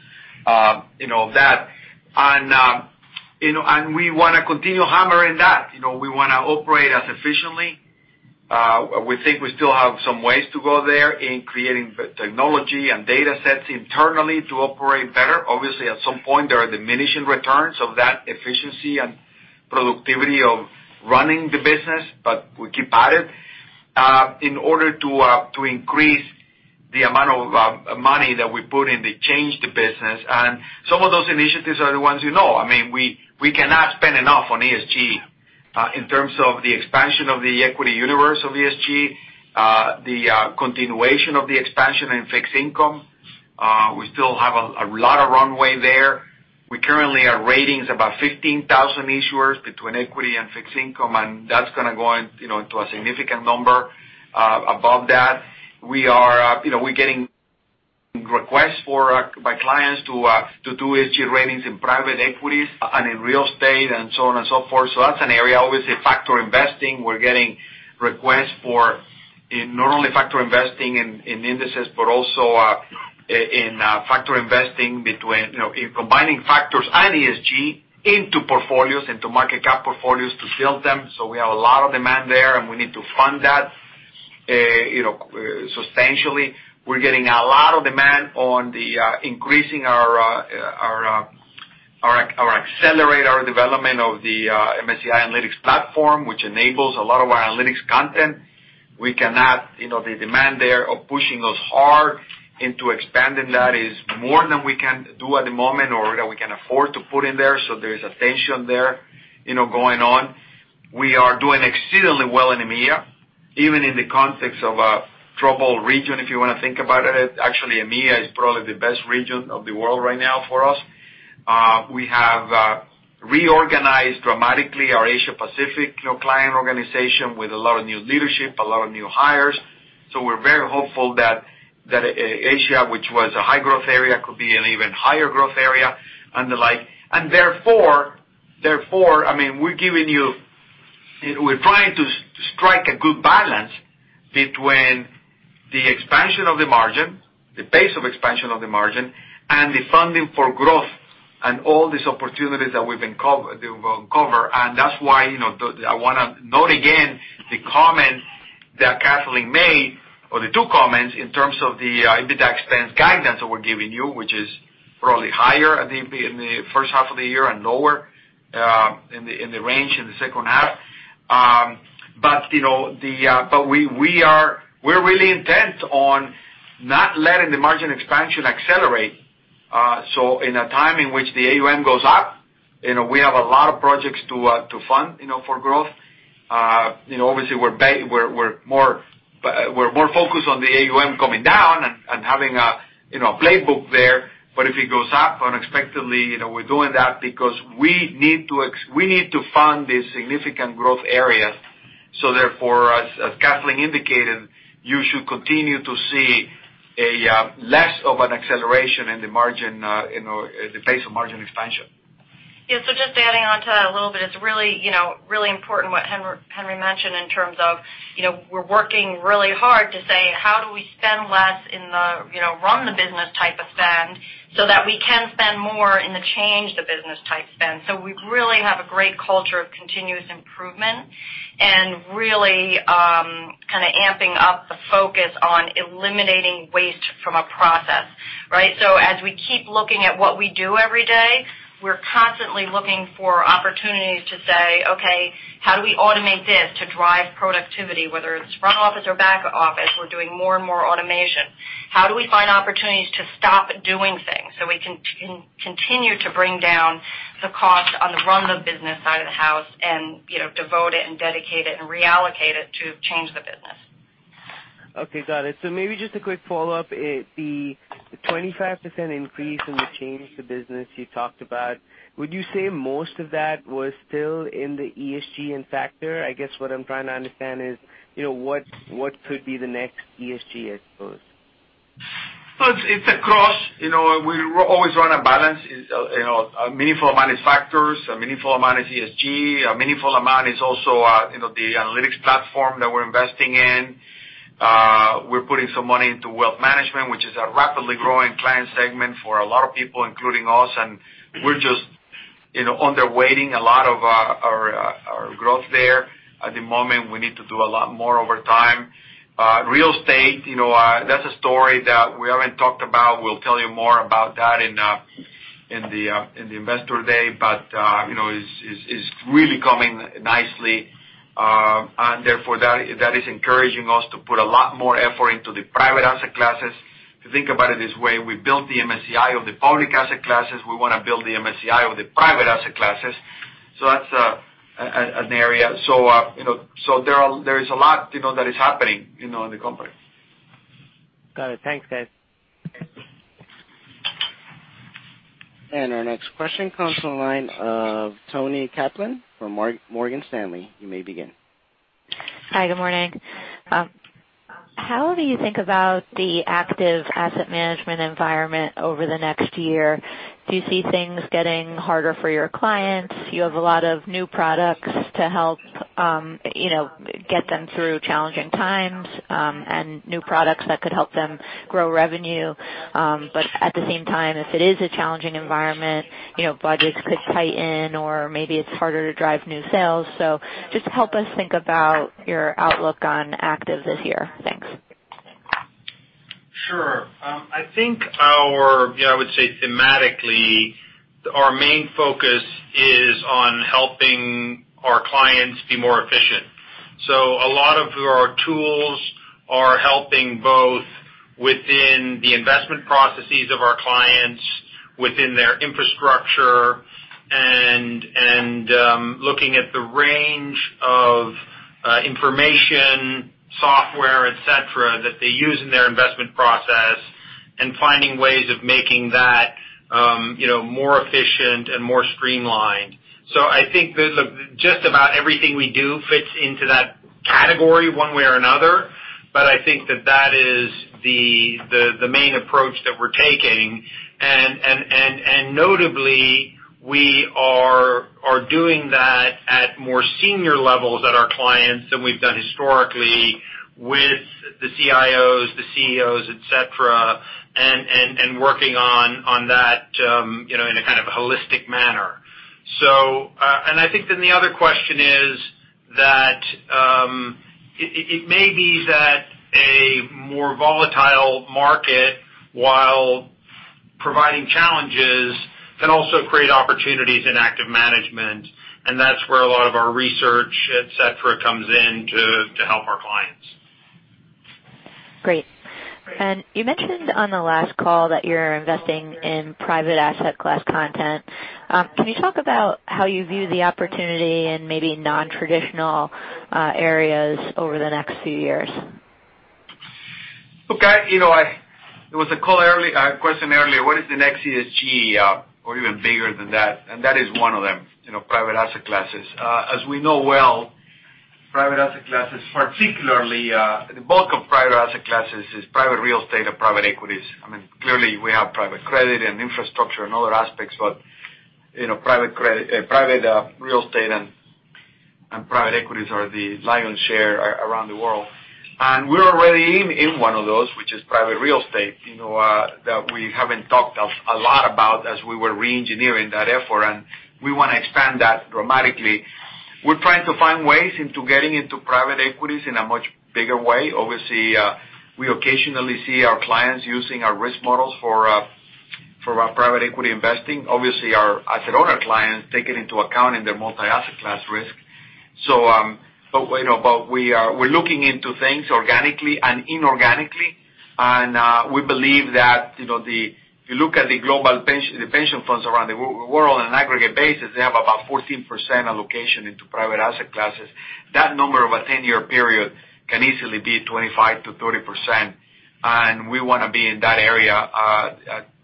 C: of that. We want to continue hammering that. We want to operate as efficiently. We think we still have some ways to go there in creating technology and data sets internally to operate better. At some point, there are diminishing returns of that efficiency and productivity of running the business, we keep at it, in order to increase the amount of money that we put in the change the business. Some of those initiatives are the ones you know. I mean, we cannot spend enough on ESG in terms of the expansion of the equity universe of ESG, the continuation of the expansion in fixed income. We still have a lot of runway there. We currently are rating about 15,000 issuers between equity and fixed income, that's going to go into a significant number above that. We're getting requests by clients to do ESG ratings in private equities and in real estate and so on and so forth. That's an area. Factor investing, we're getting requests for not only factor investing in indices, but also in factor investing in combining factors and ESG into portfolios, into market cap portfolios to build them. We have a lot of demand there, and we need to fund that substantially. We're getting a lot of demand on increasing our accelerator development of the MSCI Analytics platform, which enables a lot of our analytics content. The demand there of pushing us hard into expanding that is more than we can do at the moment or that we can afford to put in there, so there is a tension there going on. We are doing exceedingly well in EMEA, even in the context of a troubled region, if you want to think about it. Actually, EMEA is probably the best region of the world right now for us. We have reorganized dramatically our Asia Pacific client organization with a lot of new leadership, a lot of new hires. We're very hopeful that Asia, which was a high-growth area, could be an even higher growth area and the like. Therefore, we're trying to strike a good balance between the expansion of the margin, the pace of expansion of the margin, and the funding for growth and all these opportunities that we've uncovered. That's why I want to note again the comments that Kathleen made, or the two comments, in terms of the EBITDA expense guidance that we're giving you, which is probably higher in the first half of the year and lower in the range in the second half. We're really intent on not letting the margin expansion accelerate. In a time in which the AUM goes up, we have a lot of projects to fund for growth. We're more focused on the AUM coming down and having a playbook there. If it goes up unexpectedly, we're doing that because we need to fund these significant growth areas. Therefore, as Kathleen indicated, you should continue to see less of an acceleration in the pace of margin expansion.
E: Yeah. Just adding onto that a little bit, it's really important what Henry mentioned in terms of, we're working really hard to say, how do we spend less in the run the business type of spend so that we can spend more in the change the business type spend. We really have a great culture of continuous improvement. We are amping up the focus on eliminating waste from a process. Right? As we keep looking at what we do every day, we're constantly looking for opportunities to say, "Okay, how do we automate this to drive productivity?" Whether it's front office or back office, we're doing more and more automation. How do we find opportunities to stop doing things so we can continue to bring down the cost on the run of business side of the house and devote it and dedicate it and reallocate it to change the business?
G: Okay, got it. Maybe just a quick follow-up. The 25% increase in the change to business you talked about, would you say most of that was still in the ESG in factor? I guess what I'm trying to understand is, what could be the next ESG, I suppose?
D: Well, it's a cross. We always run a balance, a meaningful amount is factors, a meaningful amount is ESG, a meaningful amount is also the analytics platform that we're investing in. We're putting some money into wealth management, which is a rapidly growing client segment for a lot of people, including us. We're just under weighting a lot of our growth there at the moment. We need to do a lot more over time. Real estate, that's a story that we haven't talked about. We'll tell you more about that in the investor day. It's really coming nicely. Therefore, that is encouraging us to put a lot more effort into the private asset classes. To think about it this way, we built the MSCI of the public asset classes. We want to build the MSCI of the private asset classes. That's an area. There is a lot that is happening in the company.
G: Got it. Thanks, guys.
A: Our next question comes from the line of Toni Kaplan from Morgan Stanley. You may begin.
H: Hi, good morning. How do you think about the active asset management environment over the next year? Do you see things getting harder for your clients? You have a lot of new products to help get them through challenging times, and new products that could help them grow revenue. At the same time, if it is a challenging environment, budgets could tighten or maybe it's harder to drive new sales. Just help us think about your outlook on active this year. Thanks.
D: Sure. I think our, I would say thematically, our main focus is on helping our clients be more efficient. A lot of our tools are helping both within the investment processes of our clients, within their infrastructure, and looking at the range of information, software, et cetera, that they use in their investment process, and finding ways of making that more efficient and more streamlined. I think just about everything we do fits into that category one way or another. I think that that is the main approach that we're taking. Notably, we are doing that at more senior levels at our clients than we've done historically with the CIOs, the CEOs, et cetera, and working on that in a kind of holistic manner. I think the other question is that it may be that a more volatile market, while providing challenges, can also create opportunities in active management, and that's where a lot of our research, et cetera, comes in to help our clients.
H: Great. You mentioned on the last call that you're investing in private asset class content. Can you talk about how you view the opportunity in maybe non-traditional areas over the next few years?
C: Okay. There was a question earlier, what is the next ESG, or even bigger than that, and that is one of them, private asset classes. As we know well, private asset classes, particularly the bulk of private asset classes is private real estate or private equities. Clearly, we have private credit and infrastructure and other aspects, but private real estate and private equities are the lion's share around the world. We're already in one of those, which is private real estate, that we haven't talked a lot about as we were re-engineering that effort, and we want to expand that dramatically. We're trying to find ways into getting into private equities in a much bigger way. Obviously, we occasionally see our clients using our risk models for private equity investing. Obviously, our asset owner clients take it into account in their multi-asset class risk. We're looking into things organically and inorganically. We believe that if you look at the global pension funds around the world on an aggregate basis, they have about 14% allocation into private asset classes. That number of a 10-year period can easily be 25%-30%, and we want to be in that area.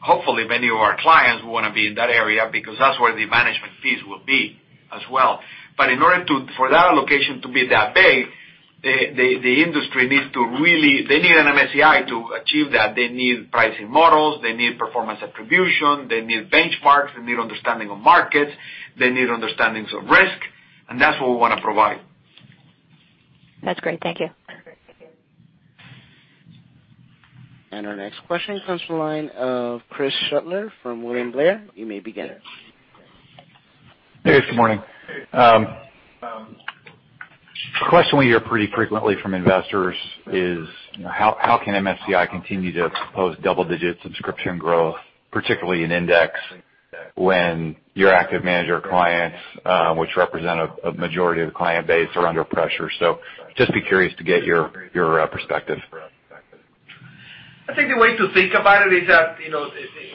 C: Hopefully, many of our clients want to be in that area because that's where the management fees will be as well. In order for that allocation to be that big, they need an MSCI to achieve that. They need pricing models, they need performance attribution, they need benchmarks, they need understanding of markets, they need understandings of risk, and that's what we want to provide.
H: That's great. Thank you.
A: Our next question comes from the line of Chris Shutler from William Blair. You may begin.
I: Hey, good morning. A question we hear pretty frequently from investors is how can MSCI continue to propose double-digit subscription growth, particularly in index, when your active manager clients, which represent a majority of the client base, are under pressure? Just be curious to get your perspective.
C: I think the way to think about it is that,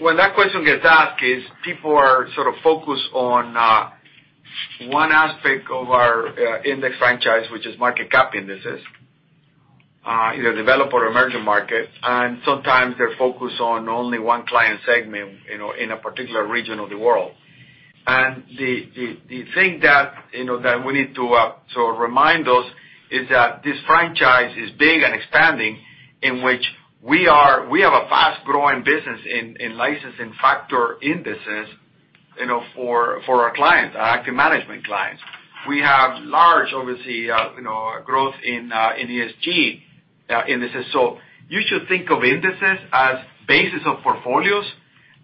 C: when that question gets asked, is people are sort of focused on one aspect of our index franchise, which is market cap indices, either developed or emerging markets. Sometimes they're focused on only one client segment in a particular region of the world. The thing that we need to sort of remind us is that this franchise is big and expanding in which we have a fast-growing business in license and factor indices for our clients, our active management clients. We have large, obviously, growth in ESG indices. You should think of indices as bases of portfolios,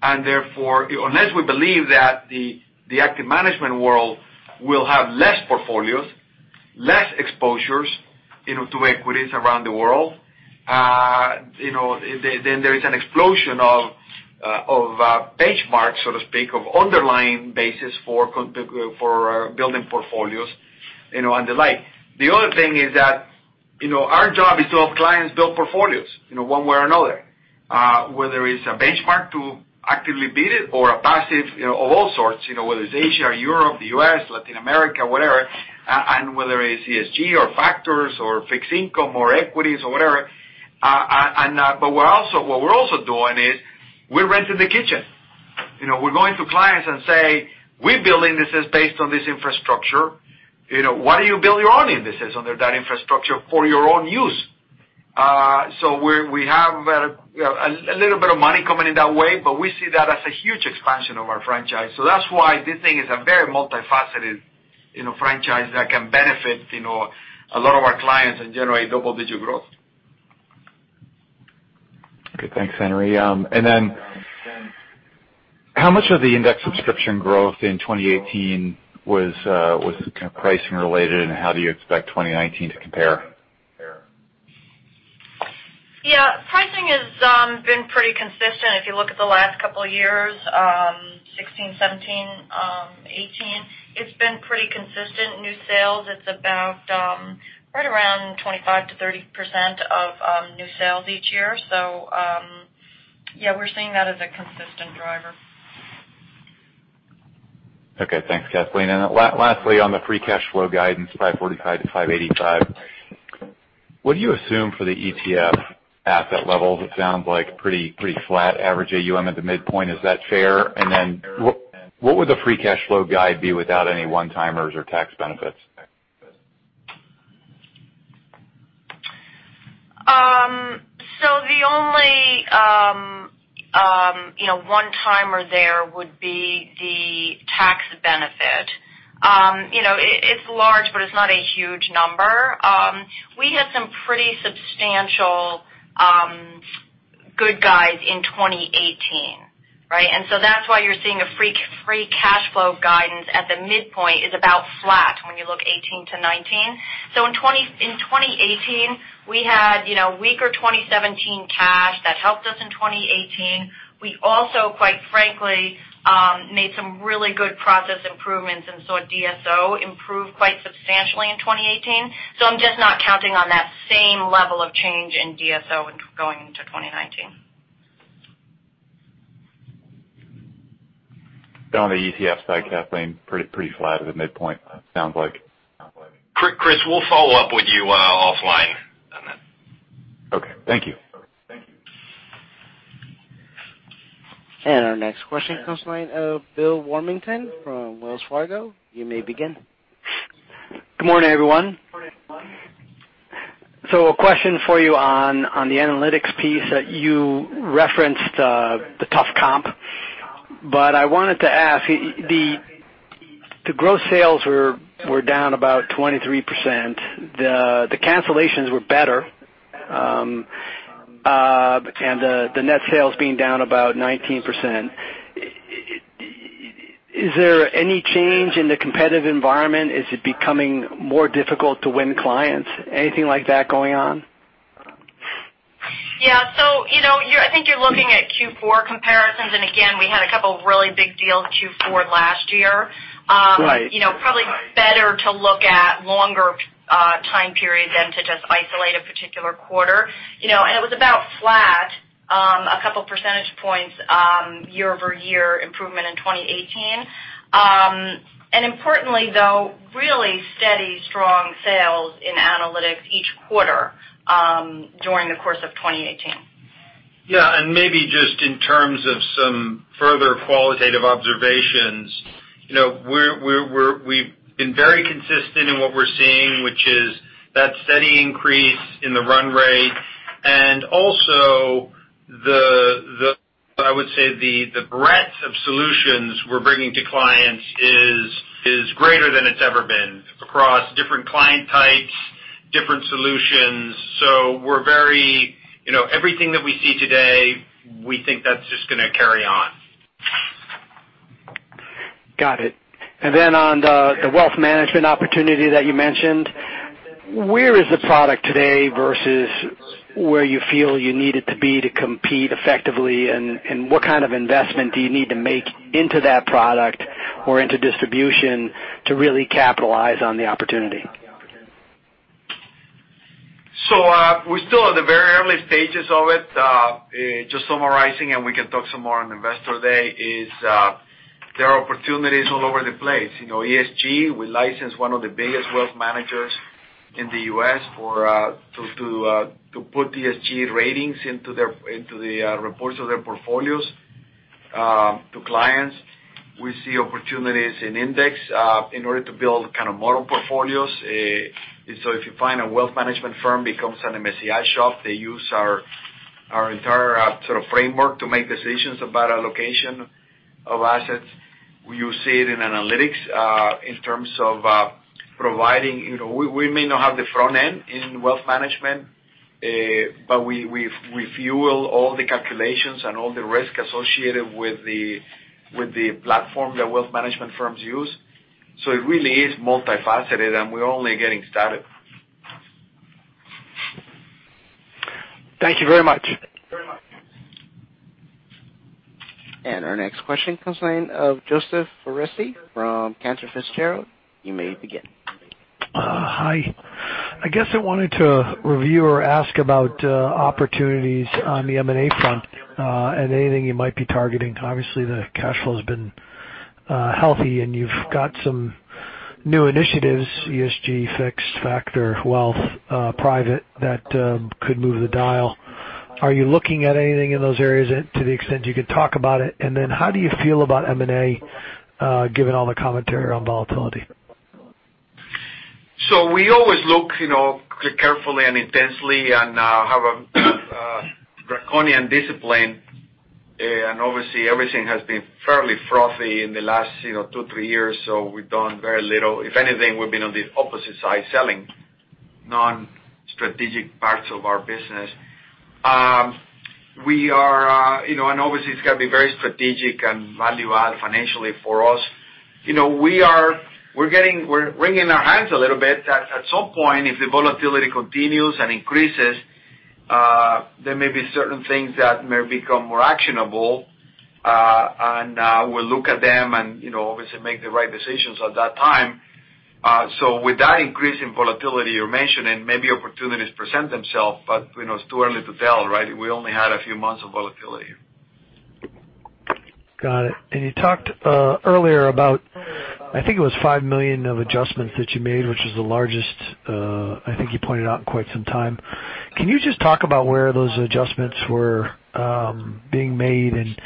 C: and therefore, unless we believe that the active management world will have less portfolios, less exposures to equities around the world, then there is an explosion of benchmarks, so to speak, of underlying basis for building portfolios and the like. The other thing is that our job is to help clients build portfolios, one way or another. Whether it's a benchmark to actively beat it or a passive of all sorts, whether it's Asia or Europe, the U.S., Latin America, whatever, and whether it is ESG or factors or fixed income or equities or whatever. What we're also doing is we're renting the kitchen. We're going to clients and say, "We build indices based on this infrastructure. Why don't you build your own indices under that infrastructure for your own use?" We have a little bit of money coming in that way, but we see that as a huge expansion of our franchise. That's why this thing is a very multifaceted franchise that can benefit a lot of our clients and generate double-digit growth.
I: Okay, thanks, Henry. Then how much of the index subscription growth in 2018 was kind of pricing related, and how do you expect 2019 to compare?
E: Yeah. Pricing has been pretty consistent if you look at the last couple of years, 2016, 2017, 2018. It's been pretty consistent. New sales, it's about right around 25%-30% of new sales each year. Yeah, we're seeing that as a consistent driver.
I: Okay, thanks, Kathleen. Lastly, on the free cash flow guidance, $545 million-$585 million, what do you assume for the ETF asset levels? It sounds like pretty flat average AUM at the midpoint. Is that fair? What would the free cash flow guide be without any one-timers or tax benefits?
E: The only one-timer there would be the tax benefit. It's large, but it's not a huge number. We had some pretty substantial good guides in 2018, right? That's why you're seeing a free cash flow guidance at the midpoint is about flat when you look 2018 to 2019. In 2018, we had weaker 2017 cash. That helped us in 2018. We also, quite frankly, made some really good process improvements and saw DSO improve quite substantially in 2018. I'm just not counting on that same level of change in DSO going into 2019.
I: On the ETF side, Kathleen, pretty flat at the midpoint, sounds like.
C: Chris, we'll follow up with you offline on that.
I: Okay, thank you.
A: Our next question comes from the line of Bill Warmington from Wells Fargo. You may begin.
J: Good morning, everyone. A question for you on the analytics piece that you referenced the tough comp, but I wanted to ask, the gross sales were down about 23%. The cancellations were better, and the net sales being down about 19%. Is there any change in the competitive environment? Is it becoming more difficult to win clients? Anything like that going on?
E: Yeah. I think you're looking at Q4 comparisons, and again, we had a couple of really big deals Q4 last year. Probably better to look at longer time periods than to just isolate a particular quarter. It was about flat, a couple percentage points year-over-year improvement in 2018. Importantly, though, really steady, strong sales in analytics each quarter during the course of 2018.
C: Yeah. Maybe just in terms of some further qualitative observations, we've been very consistent in what we're seeing, which is that steady increase in the run rate. Also, I would say the breadth of solutions we're bringing to clients is greater than it's ever been across different client types, different solutions. Everything that we see today, we think that's just going to carry on.
J: Got it. Then on the wealth management opportunity that you mentioned, where is the product today versus where you feel you need it to be to compete effectively, and what kind of investment do you need to make into that product or into distribution to really capitalize on the opportunity?
C: We're still at the very early stages of it. Just summarizing, we can talk some more on Investor Day, there are opportunities all over the place. ESG, we license one of the biggest wealth managers in the U.S. to put ESG ratings into the reports of their portfolios to clients. We see opportunities in index in order to build model portfolios. If you find a wealth management firm becomes an MSCI shop, they use our entire sort of framework to make decisions about allocation of assets. You see it in analytics, in terms of providing. We may not have the front end in wealth management, but we fuel all the calculations and all the risk associated with the platform that wealth management firms use. It really is multifaceted, and we're only getting started.
J: Thank you very much.
A: Our next question comes in of Joseph Foresi from Cantor Fitzgerald. You may begin.
K: Hi. I guess I wanted to review or ask about opportunities on the M&A front, and anything you might be targeting. Obviously, the cash flow has been healthy and you've got some new initiatives, ESG, fixed factor, wealth, private, that could move the dial. Are you looking at anything in those areas to the extent you could talk about it? How do you feel about M&A, given all the commentary on volatility?
C: We always look carefully and intensely and have a draconian discipline. Obviously everything has been fairly frothy in the last two, three years, so we've done very little. If anything, we've been on the opposite side, selling non-strategic parts of our business. Obviously it's got to be very strategic and value add financially for us. We're wringing our hands a little bit that at some point, if the volatility continues and increases, there may be certain things that may become more actionable. We'll look at them and obviously make the right decisions at that time. With that increase in volatility you're mentioning, maybe opportunities present themselves, but it's too early to tell, right? We only had a few months of volatility.
K: Got it. You talked earlier about, I think it was $5 million of adjustments that you made, which is the largest, I think you pointed out, in quite some time. Can you just talk about where those adjustments were being made, and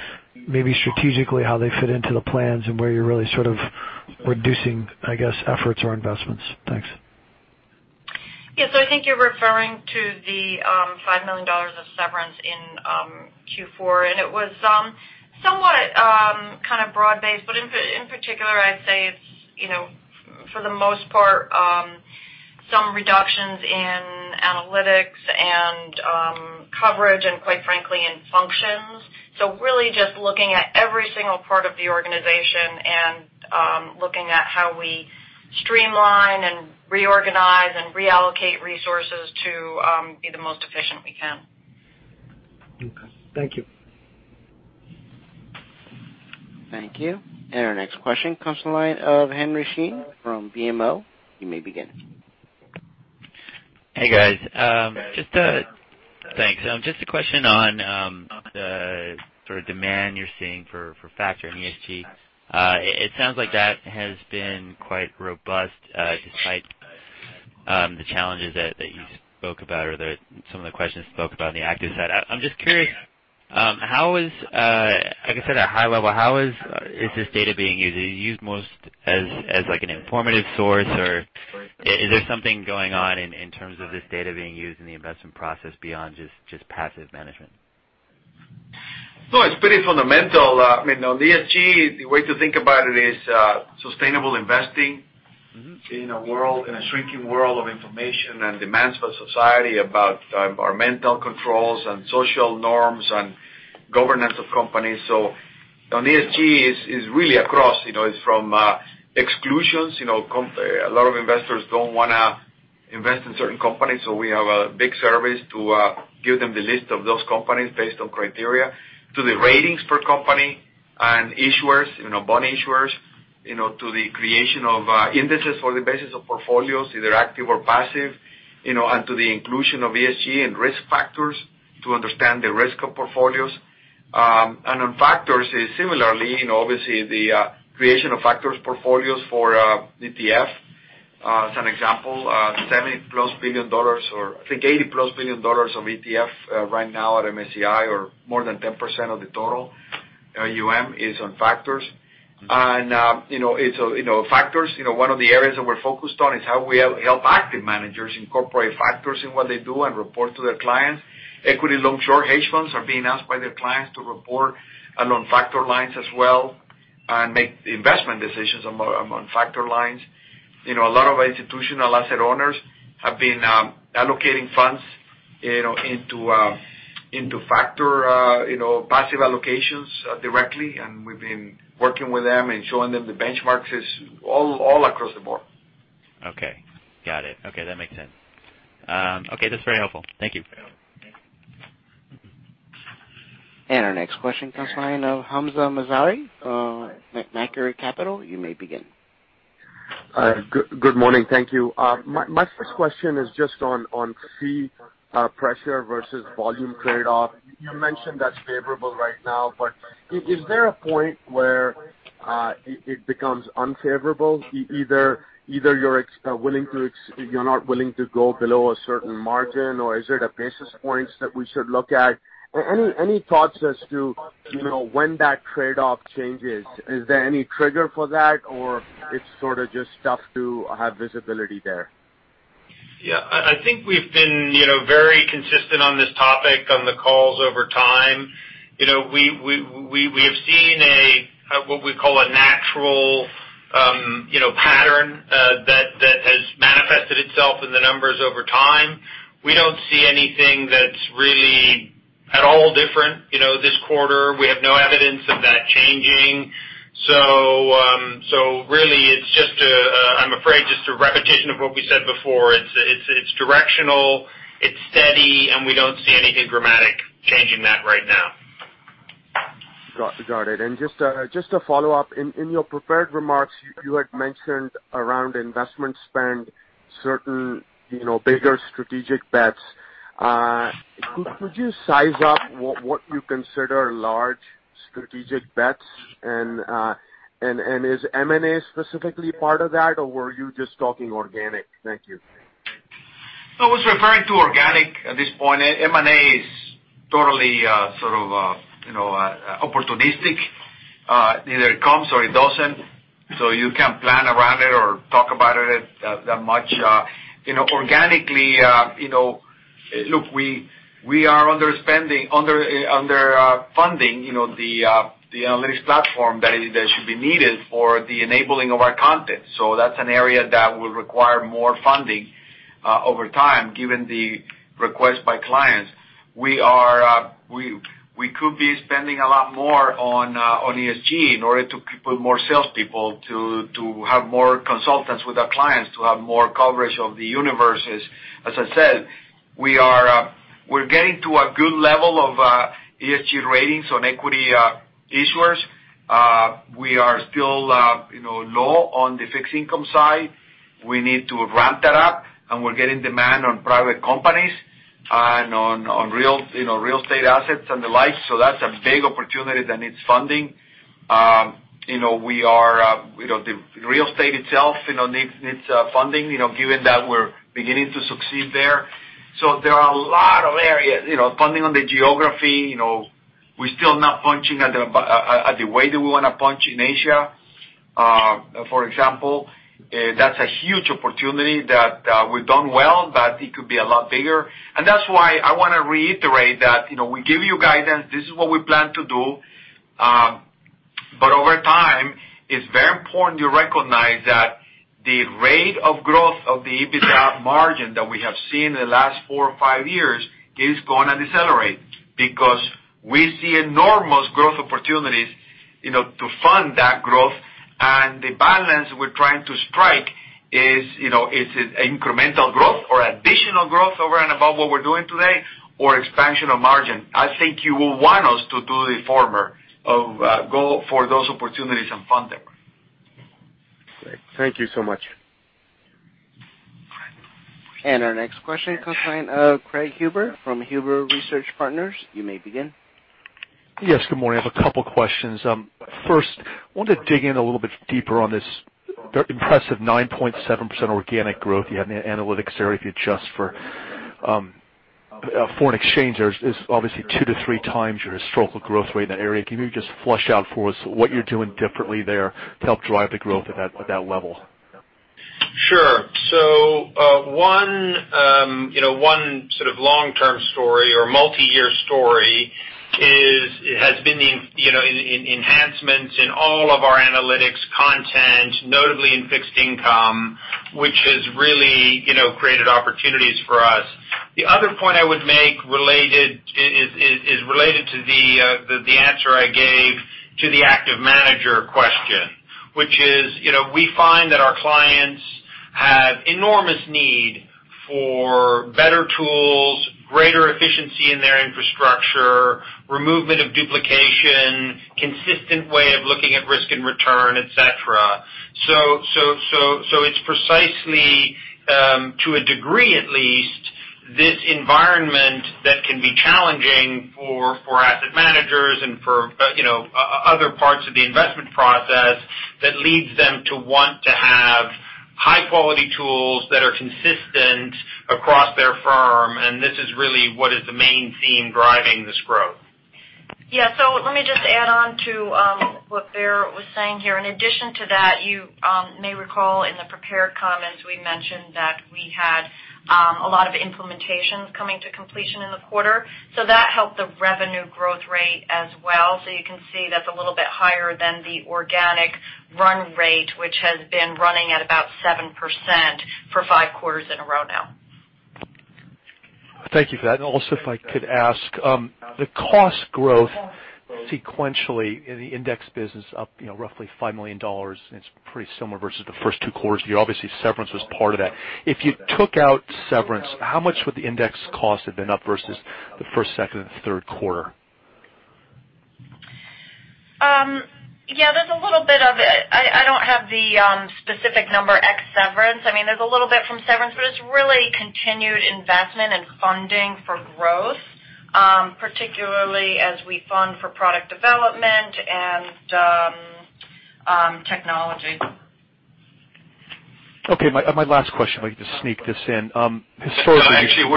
K: maybe strategically, how they fit into the plans and where you're really sort of reducing, I guess, efforts or investments? Thanks.
E: Yes. I think you're referring to the $5 million of severance in Q4, and it was somewhat kind of broad based, but in particular, I'd say it's, for the most part, some reductions in analytics and coverage, and quite frankly, in functions. Really just looking at every single part of the organization and looking at how we streamline and reorganize and reallocate resources to be the most efficient we can.
K: Okay. Thank you.
A: Thank you. Our next question comes to the line of Henry Chien from BMO. You may begin.
L: Hey, guys. Thanks. Just a question on the sort of demand you're seeing for factor in ESG. It sounds like that has been quite robust, despite the challenges that you spoke about or that some of the questions spoke about on the active side. I'm just curious, I guess at a high level, how is this data being used? Is it used most as an informative source, or is there something going on in terms of this data being used in the investment process beyond just passive management?
C: No, it's pretty fundamental. I mean, on ESG, the way to think about it is sustainable investing in a shrinking world of information and demands for society about our mental controls and social norms and governance of companies. On ESG, it's really across. It's from exclusions. A lot of investors don't want to invest in certain companies, so we have a big service to give them the list of those companies based on criteria to the ratings per company and issuers, bond issuers, to the creation of indices for the basis of portfolios, either active or passive, and to the inclusion of ESG and risk factors to understand the risk of portfolios. On factors is similarly, obviously the creation of factors portfolios for ETF. As an example, $70+ billion, or I think $80+ billion of ETF right now at MSCI or more than 10% of the total AUM is on factors. Factors, one of the areas that we're focused on is how we help active managers incorporate factors in what they do and report to their clients. Equity long-short hedge funds are being asked by their clients to report along factor lines as well. Make investment decisions among factor lines. A lot of institutional asset owners have been allocating funds into factor passive allocations directly, and we've been working with them and showing them the benchmarks all across the board.
L: Okay. Got it. Okay, that makes sense. Okay, that's very helpful. Thank you.
A: Our next question comes line of Hamzah Mazari, Macquarie Capital. You may begin.
M: Good morning. Thank you. My first question is just on fee pressure versus volume trade-off. You mentioned that's favorable right now, but is there a point where it becomes unfavorable? Either you're not willing to go below a certain margin, or is it a basis points that we should look at? Any thoughts as to when that trade-off changes? Is there any trigger for that, or it's sort of just tough to have visibility there?
D: Yeah. I think we've been very consistent on this topic on the calls over time. We have seen a, what we call a natural pattern that has manifested itself in the numbers over time. We don't see anything that's really at all different this quarter. We have no evidence of that changing. Really, it's just a, I'm afraid, just a repetition of what we said before. It's directional, it's steady, and we don't see anything dramatic changing that right now.
M: Got it. Just a follow-up. In your prepared remarks, you had mentioned around investment spend certain bigger strategic bets. Could you size up what you consider large strategic bets? Is M&A specifically part of that, or were you just talking organic? Thank you.
C: I was referring to organic at this point. M&A is totally sort of opportunistic. Either it comes or it doesn't. You can't plan around it or talk about it that much. Organically, look, we are under funding the analytics platform that should be needed for the enabling of our content. That's an area that will require more funding over time, given the request by clients. We could be spending a lot more on ESG in order to put more salespeople, to have more consultants with our clients, to have more coverage of the universes. As I said, we're getting to a good level of ESG ratings on equity issuers. We are still low on the fixed income side. We need to ramp that up, we're getting demand on private companies and on real estate assets and the like, that's a big opportunity that needs funding. The real estate itself needs funding, given that we're beginning to succeed there. There are a lot of areas. Funding on the geography. We're still not punching at the way that we want to punch in Asia. For example, that's a huge opportunity that we've done well, but it could be a lot bigger. That's why I want to reiterate that we give you guidance. This is what we plan to do. Over time, it's very important you recognize that the rate of growth of the EBITDA margin that we have seen in the last four or five years is going to decelerate because we see enormous growth opportunities to fund that growth, and the balance we're trying to strike is it incremental growth or additional growth over and above what we're doing today, or expansion of margin? I think you will want us to do the former, of go for those opportunities and fund them.
M: Great. Thank you so much.
A: Our next question comes from Craig Huber from Huber Research Partners. You may begin.
N: Yes. Good morning. I have a couple questions. First, I wanted to dig in a little bit deeper on this impressive 9.7% organic growth you had in the analytics area. If you adjust for foreign exchange, there's obviously 2x-3x your historical growth rate in that area. Can you just flush out for us what you're doing differently there to help drive the growth at that level?
D: Sure. One sort of long-term story or multi-year story has been the enhancements in all of our analytics content, notably in fixed income, which has really created opportunities for us. The other point I would make is related to the answer I gave to the active manager question, which is, we find that our clients have enormous need for better tools, greater efficiency in their infrastructure, removal of duplication, consistent way of looking at risk and return, et cetera. It's precisely, to a degree at least, this environment that can be challenging for asset managers and for other parts of the investment process that leads them to want to have high-quality tools that are consistent across their firm, and this is really what is the main theme driving this growth.
E: Let me just add on to what Baer was saying here. In addition to that, you may recall in the prepared comments we mentioned that we had a lot of implementations coming to completion in the quarter. That helped the revenue growth rate as well. You can see that's a little bit higher than the organic run rate, which has been running at about 7% for five quarters in a row now.
N: Thank you for that. Also, if I could ask, the cost growth sequentially in the index business up roughly $5 million, and it's pretty similar versus the first two quarters. Obviously, severance was part of that. If you took out severance, how much would the index cost have been up versus the first, second, and third quarter?
E: Yeah, there's a little bit of it. I don't have the specific number ex severance. There's a little bit from severance, it's really continued investment and funding for growth, particularly as we fund for product development and technology.
N: Okay. My last question, if I could just sneak this in.
B: No, actually,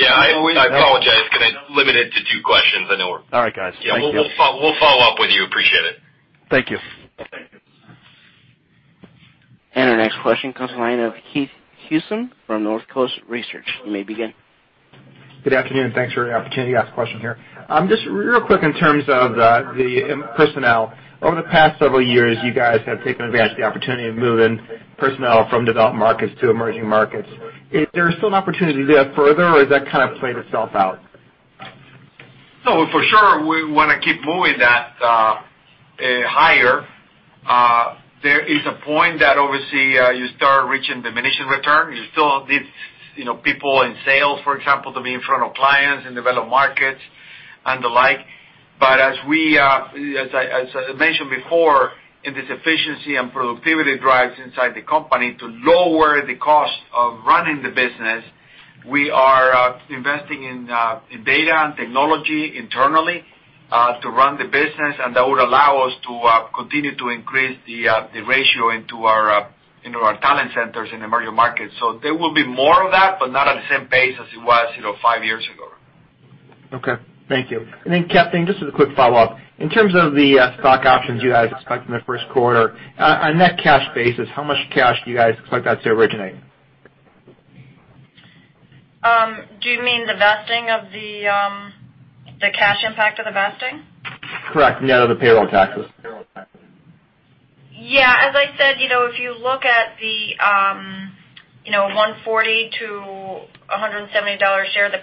B: Yeah, I apologize. Going to limit it to two questions.
N: All right, guys. Thank you.
B: Yeah. We'll follow up with you. Appreciate it.
N: Thank you.
A: Our next question comes from the line of Keith Housum from Northcoast Research. You may begin.
O: Good afternoon. Thanks for the opportunity to ask a question here. Just real quick in terms of the personnel. Over the past several years, you guys have taken advantage of the opportunity of moving personnel from developed markets to emerging markets. Is there still an opportunity there further, or has that kind of played itself out?
C: No, for sure, we want to keep moving that higher. There is a point that obviously you start reaching diminishing return. You still need people in sales, for example, to be in front of clients in developed markets and the like. As I mentioned before, in this efficiency and productivity drives inside the company to lower the cost of running the business, we are investing in data and technology internally to run the business, and that would allow us to continue to increase the ratio into our talent centers in emerging markets. There will be more of that, but not at the same pace as it was five years ago.
O: Okay. Thank you. Kathleen, just as a quick follow-up, in terms of the stock options you guys expect in the first quarter, on net cash basis, how much cash do you guys expect that to originate?
E: Do you mean the vesting of the cash impact of the vesting?
O: Correct. Net of the payroll taxes.
E: Yeah. As I said, if you look at the $140-$170 share, the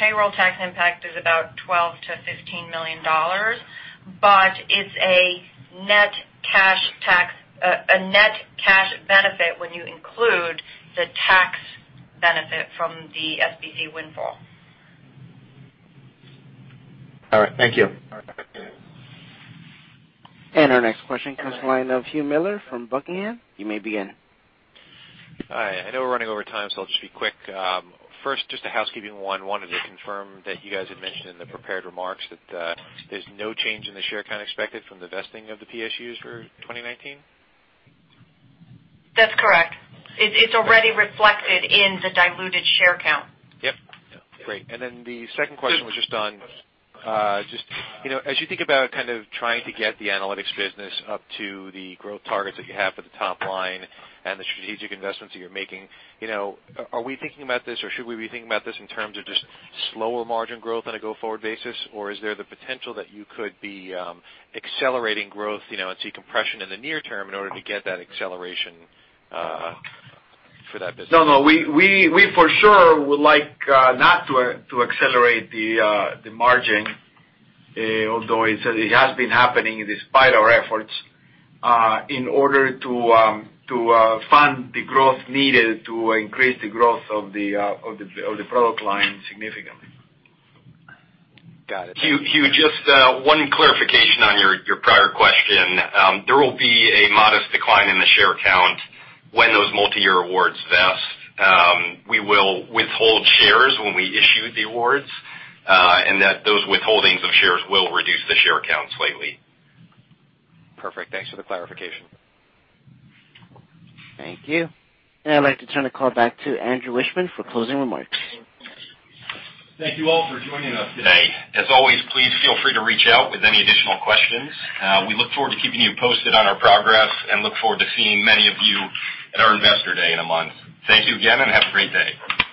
E: payroll tax impact is about $12 million-$15 million. It's a net cash benefit when you include the tax benefit from the SBC windfall.
O: All right. Thank you.
A: Our next question comes from the line of Hugh Miller from Buckingham. You may begin.
P: Hi. I know we're running over time, so I'll just be quick. First, just a housekeeping one. Wanted to confirm that you guys had mentioned in the prepared remarks that there's no change in the share count expected from the vesting of the PSUs for 2019?
E: That's correct. It's already reflected in the diluted share count.
P: Yep. Great. Then the second question was just on, as you think about kind of trying to get the Analytics business up to the growth targets that you have for the top line and the strategic investments that you're making, are we thinking about this or should we be thinking about this in terms of just slower margin growth on a go-forward basis? Or is there the potential that you could be accelerating growth and see compression in the near term in order to get that acceleration for that business?
C: No, we for sure would like not to accelerate the margin, although it has been happening despite our efforts, in order to fund the growth needed to increase the growth of the product line significantly.
P: Got it.
D: Hugh, just one clarification on your prior question. There will be a modest decline in the share count when those multi-year awards vest. We will withhold shares when we issue the awards, and those withholdings of shares will reduce the share count slightly.
P: Perfect. Thanks for the clarification.
A: Thank you. I'd like to turn the call back to Andrew Wiechmann for closing remarks.
B: Thank you all for joining us today. As always, please feel free to reach out with any additional questions. We look forward to keeping you posted on our progress and look forward to seeing many of you at our investor day in a month. Thank you again, and have a great day.